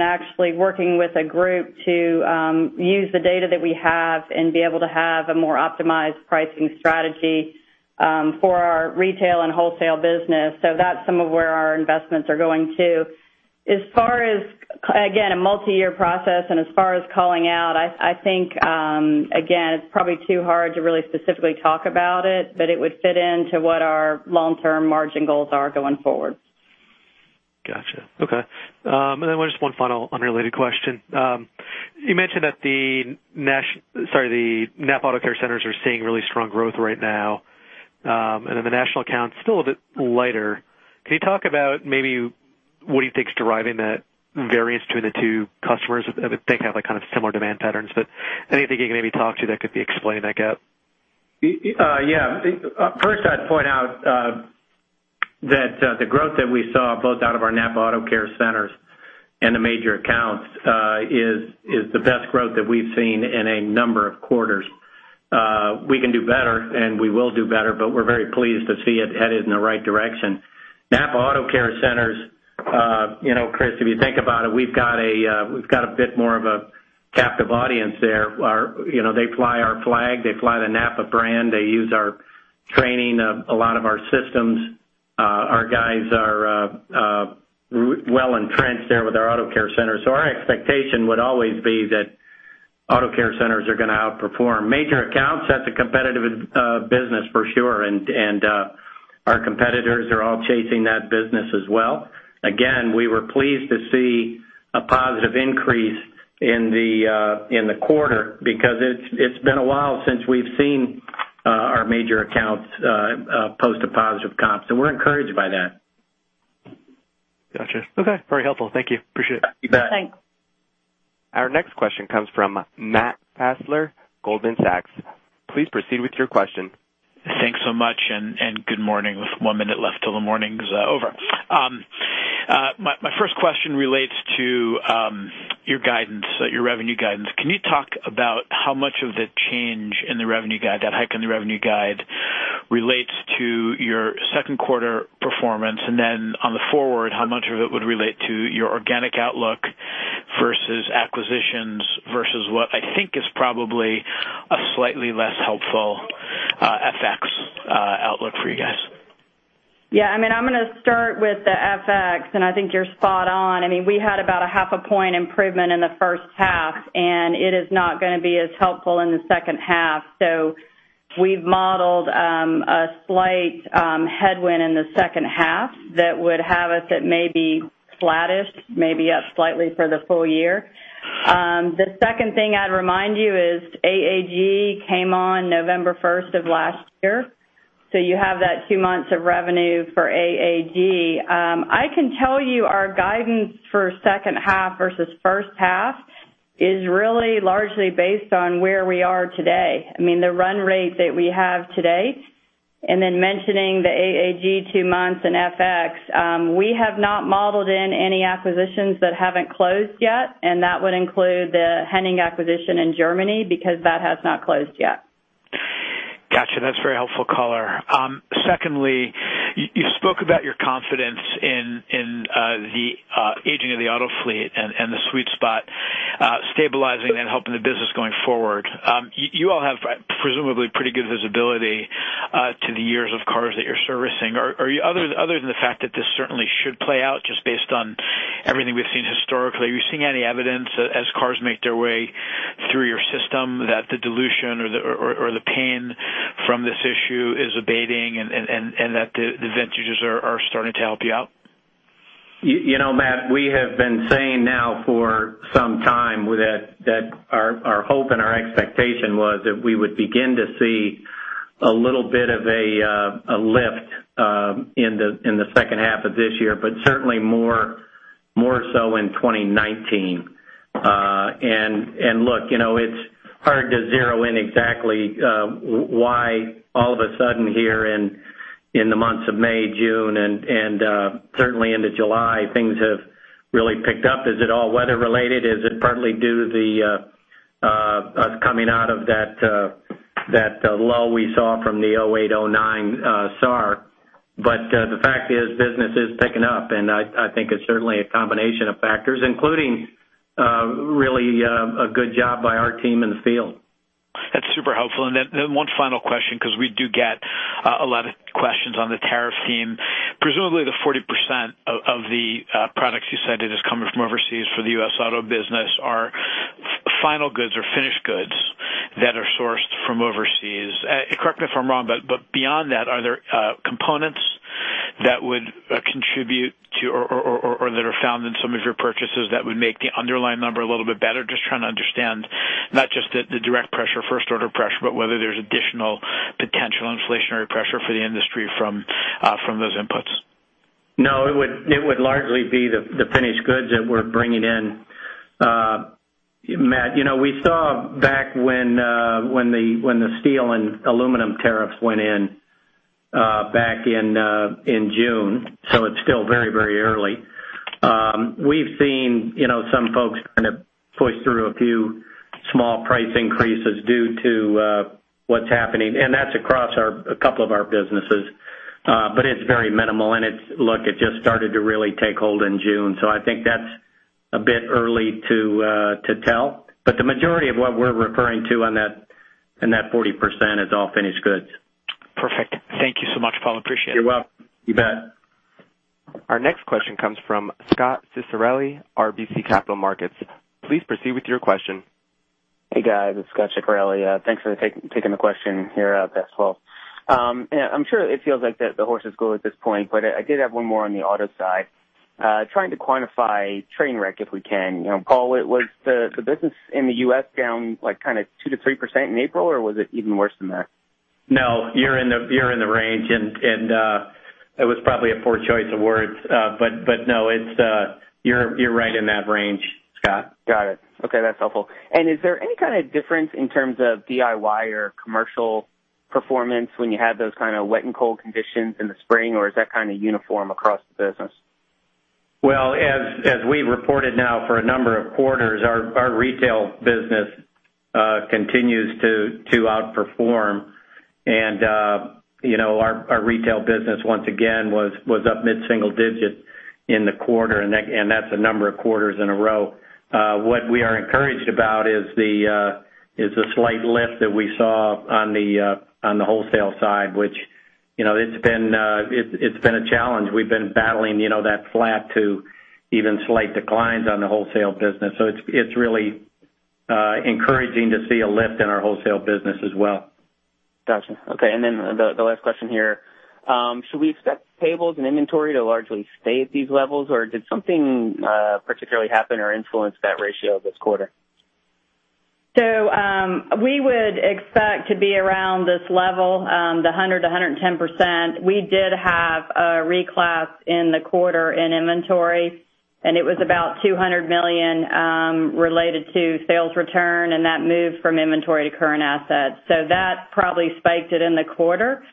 Actually working with a group to use the data that we have and be able to have a more optimized pricing strategy for our retail and wholesale business. That's some of where our investments are going, too. As far as, again, a multi-year process. As far as calling out, I think, again, it's probably too hard to really specifically talk about it, but it would fit into what our long-term margin goals are going forward. Got you. Okay. Just one final unrelated question. You mentioned that the NAPA Auto Care Centers are seeing really strong growth right now, and the National Account's still a bit lighter. Can you talk about maybe what do you think is driving that variance between the two customers? I would think have kind of similar demand patterns, but anything you can maybe talk to that could be explained, I guess? Yeah. First, I'd point out that the growth that we saw, both out of our NAPA Auto Care Centers and the major accounts, is the best growth that we've seen in a number of quarters. We can do better, and we will do better, but we're very pleased to see it headed in the right direction. NAPA Auto Care Centers, Chris, if you think about it, we've got a bit more of a captive audience there. They fly our flag. They fly the NAPA brand. They use our training, a lot of our systems. Our guys are well-entrenched there with our Auto Care Centers. Our expectation would always be that Auto Care Centers are gonna outperform. Major accounts, that's a competitive business for sure. Our competitors are all chasing that business as well. Again, we were pleased to see a positive increase in the quarter because it's been a while since we've seen our major accounts post a positive comps. We're encouraged by that. Got you. Okay. Very helpful. Thank you. Appreciate it. You bet. Thanks. Our next question comes from Matt Fassler, Goldman Sachs. Please proceed with your question. Thanks so much, and good morning with one minute left till the morning's over. My first question relates to your revenue guidance. Can you talk about how much of the change in the revenue guide, that hike in the revenue guide, relates to your second quarter performance, and then on the forward, how much of it would relate to your organic outlook versus acquisitions versus what I think is probably a slightly less helpful FX outlook for you guys? Yeah, I'm gonna start with the FX. I think you're spot on. We had about a half a point improvement in the first half. It is not gonna be as helpful in the second half. We've modeled a slight headwind in the second half that would have us at maybe flattish, maybe up slightly for the full year. The second thing I'd remind you is AAG came on November 1st of last year. You have that two months of revenue for AAG. I can tell you our guidance for second half versus first half is really largely based on where we are today. I mean, the run rate that we have today, and then mentioning the AAG two months and FX, we have not modeled in any acquisitions that haven't closed yet, and that would include the Hennig acquisition in Germany because that has not closed yet. Got you. That's very helpful, Carla. Secondly, you spoke about your confidence in the aging of the auto fleet and the sweet spot stabilizing and helping the business going forward. You all have presumably pretty good visibility to the years of cars that you're servicing. Other than the fact that this certainly should play out just based on everything we've seen historically, are you seeing any evidence as cars make their way through your system that the dilution or the pain from this issue is abating and that the vintages are starting to help you out? Matt, we have been saying now for some time that our hope and our expectation was that we would begin to see a little bit of a lift in the second half of this year, but certainly more so in 2019. Look, it's hard to zero in exactly why all of a sudden here in the months of May, June, and certainly into July, things have really picked up. Is it all weather related? Is it partly due to us coming out of that lull we saw from the 2008, 2009 SAR? The fact is, business is picking up, and I think it's certainly a combination of factors, including really a good job by our team in the field. That's super helpful. One final question, because we do get a lot of questions on the tariff team. Presumably, the 40% of the products you said that is coming from overseas for the U.S. auto business are final goods or finished goods that are sourced from overseas. Correct me if I'm wrong, but beyond that, are there components that would contribute to or that are found in some of your purchases that would make the underlying number a little bit better? Just trying to understand not just the direct pressure, first order pressure, but whether there's additional potential inflationary pressure for the industry from those inputs. No, it would largely be the finished goods that we're bringing in. Matt, we saw back when the steel and aluminum tariffs went in back in June, it's still very early. We've seen some folks trying to push through a few small price increases due to what's happening, and that's across a couple of our businesses. It's very minimal, and look, it just started to really take hold in June, I think that's a bit early to tell. The majority of what we're referring to in that 40% is all finished goods. Perfect. Thank you so much, Paul. Appreciate it. You're welcome. You bet. Our next question comes from Scot Ciccarelli, RBC Capital Markets. Please proceed with your question. Hey, guys, it's Scot Ciccarelli. Thanks for taking the question here as well. I'm sure it feels like the horse has gone at this point. I did have one more on the auto side. Trying to quantify train wreck, if we can. Paul, was the business in the U.S. down two to 3% in April, or was it even worse than that? No, you're in the range. It was probably a poor choice of words. No, you're right in that range, Scot. Got it. Okay, that's helpful. Is there any kind of difference in terms of DIY or commercial performance when you have those kind of wet and cold conditions in the spring, or is that kind of uniform across the business? As we've reported now for a number of quarters, our retail business continues to outperform. Our retail business once again was up mid-single digit in the quarter, and that's a number of quarters in a row. What we are encouraged about is the slight lift that we saw on the wholesale side, which it's been a challenge. We've been battling that flat to even slight declines on the wholesale business. It's really encouraging to see a lift in our wholesale business as well. Got you. The last question here. Should we expect payables and inventory to largely stay at these levels, or did something particularly happen or influence that ratio this quarter? We would expect to be around this level, the 100%-110%. We did have a reclass in the quarter in inventory, and it was about $200 million related to sales return, and that moved from inventory to current assets. That probably spiked it in the quarter.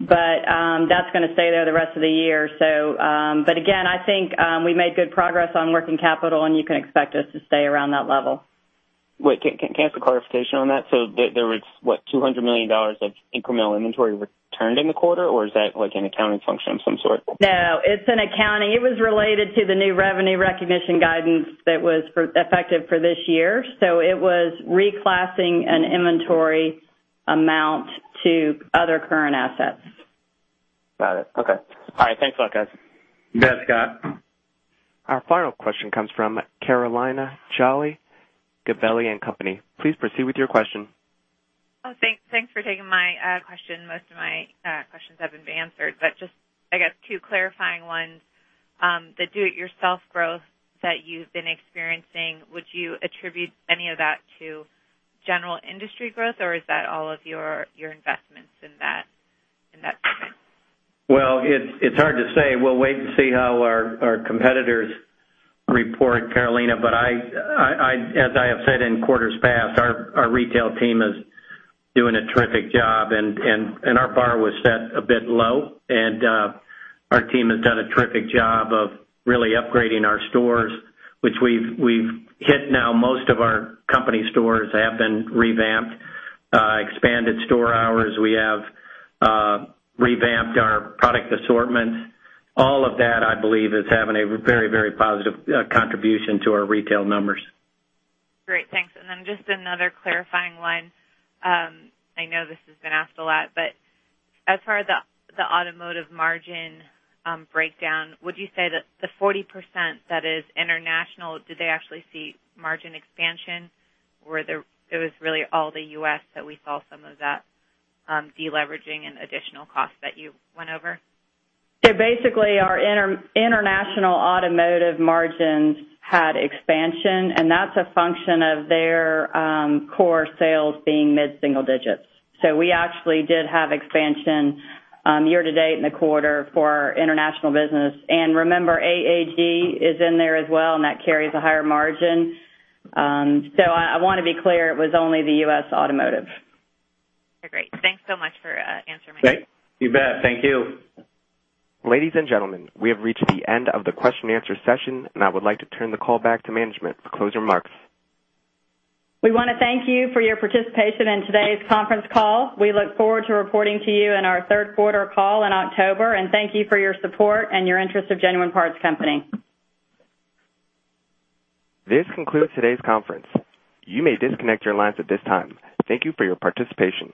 That's going to stay there the rest of the year. Again, I think we made good progress on working capital, and you can expect us to stay around that level. Wait, can I get some clarification on that? There was, what, $200 million of incremental inventory returned in the quarter, or is that like an accounting function of some sort? No, it's an accounting. It was related to the new revenue recognition guidance that was effective for this year. It was reclassing an inventory amount to other current assets. Got it. Okay. All right. Thanks a lot, guys. You bet, Scot. Our final question comes from Carolina Jolly, Gabelli & Company. Please proceed with your question. Oh, thanks for taking my question. Most of my questions have been answered, just I guess two clarifying ones. The DIY growth that you've been experiencing, would you attribute any of that to general industry growth, or is that all of your investments in that segment? Well, it's hard to say. We'll wait and see how our competitors report, Carolina. As I have said in quarters past, our retail team is doing a terrific job and our bar was set a bit low, and our team has done a terrific job of really upgrading our stores, which we've hit now. Most of our company stores have been revamped, expanded store hours. We have revamped our product assortments. All of that, I believe, is having a very positive contribution to our retail numbers. Great, thanks. Just another clarifying one. I know this has been asked a lot, as far as the automotive margin breakdown, would you say that the 40% that is international, did they actually see margin expansion or it was really all the U.S. that we saw some of that de-leveraging and additional costs that you went over? Basically our international automotive margins had expansion, that's a function of their core sales being mid-single digits. We actually did have expansion year-to-date in the quarter for our international business. Remember, AAG is in there as well, that carries a higher margin. I want to be clear, it was only the U.S. automotive. Okay, great. Thanks so much for answering my questions. You bet. Thank you. Ladies and gentlemen, we have reached the end of the question and answer session, and I would like to turn the call back to management for closing remarks. We want to thank you for your participation in today's conference call. We look forward to reporting to you in our third quarter call in October, and thank you for your support and your interest of Genuine Parts Company. This concludes today's conference. You may disconnect your lines at this time. Thank you for your participation.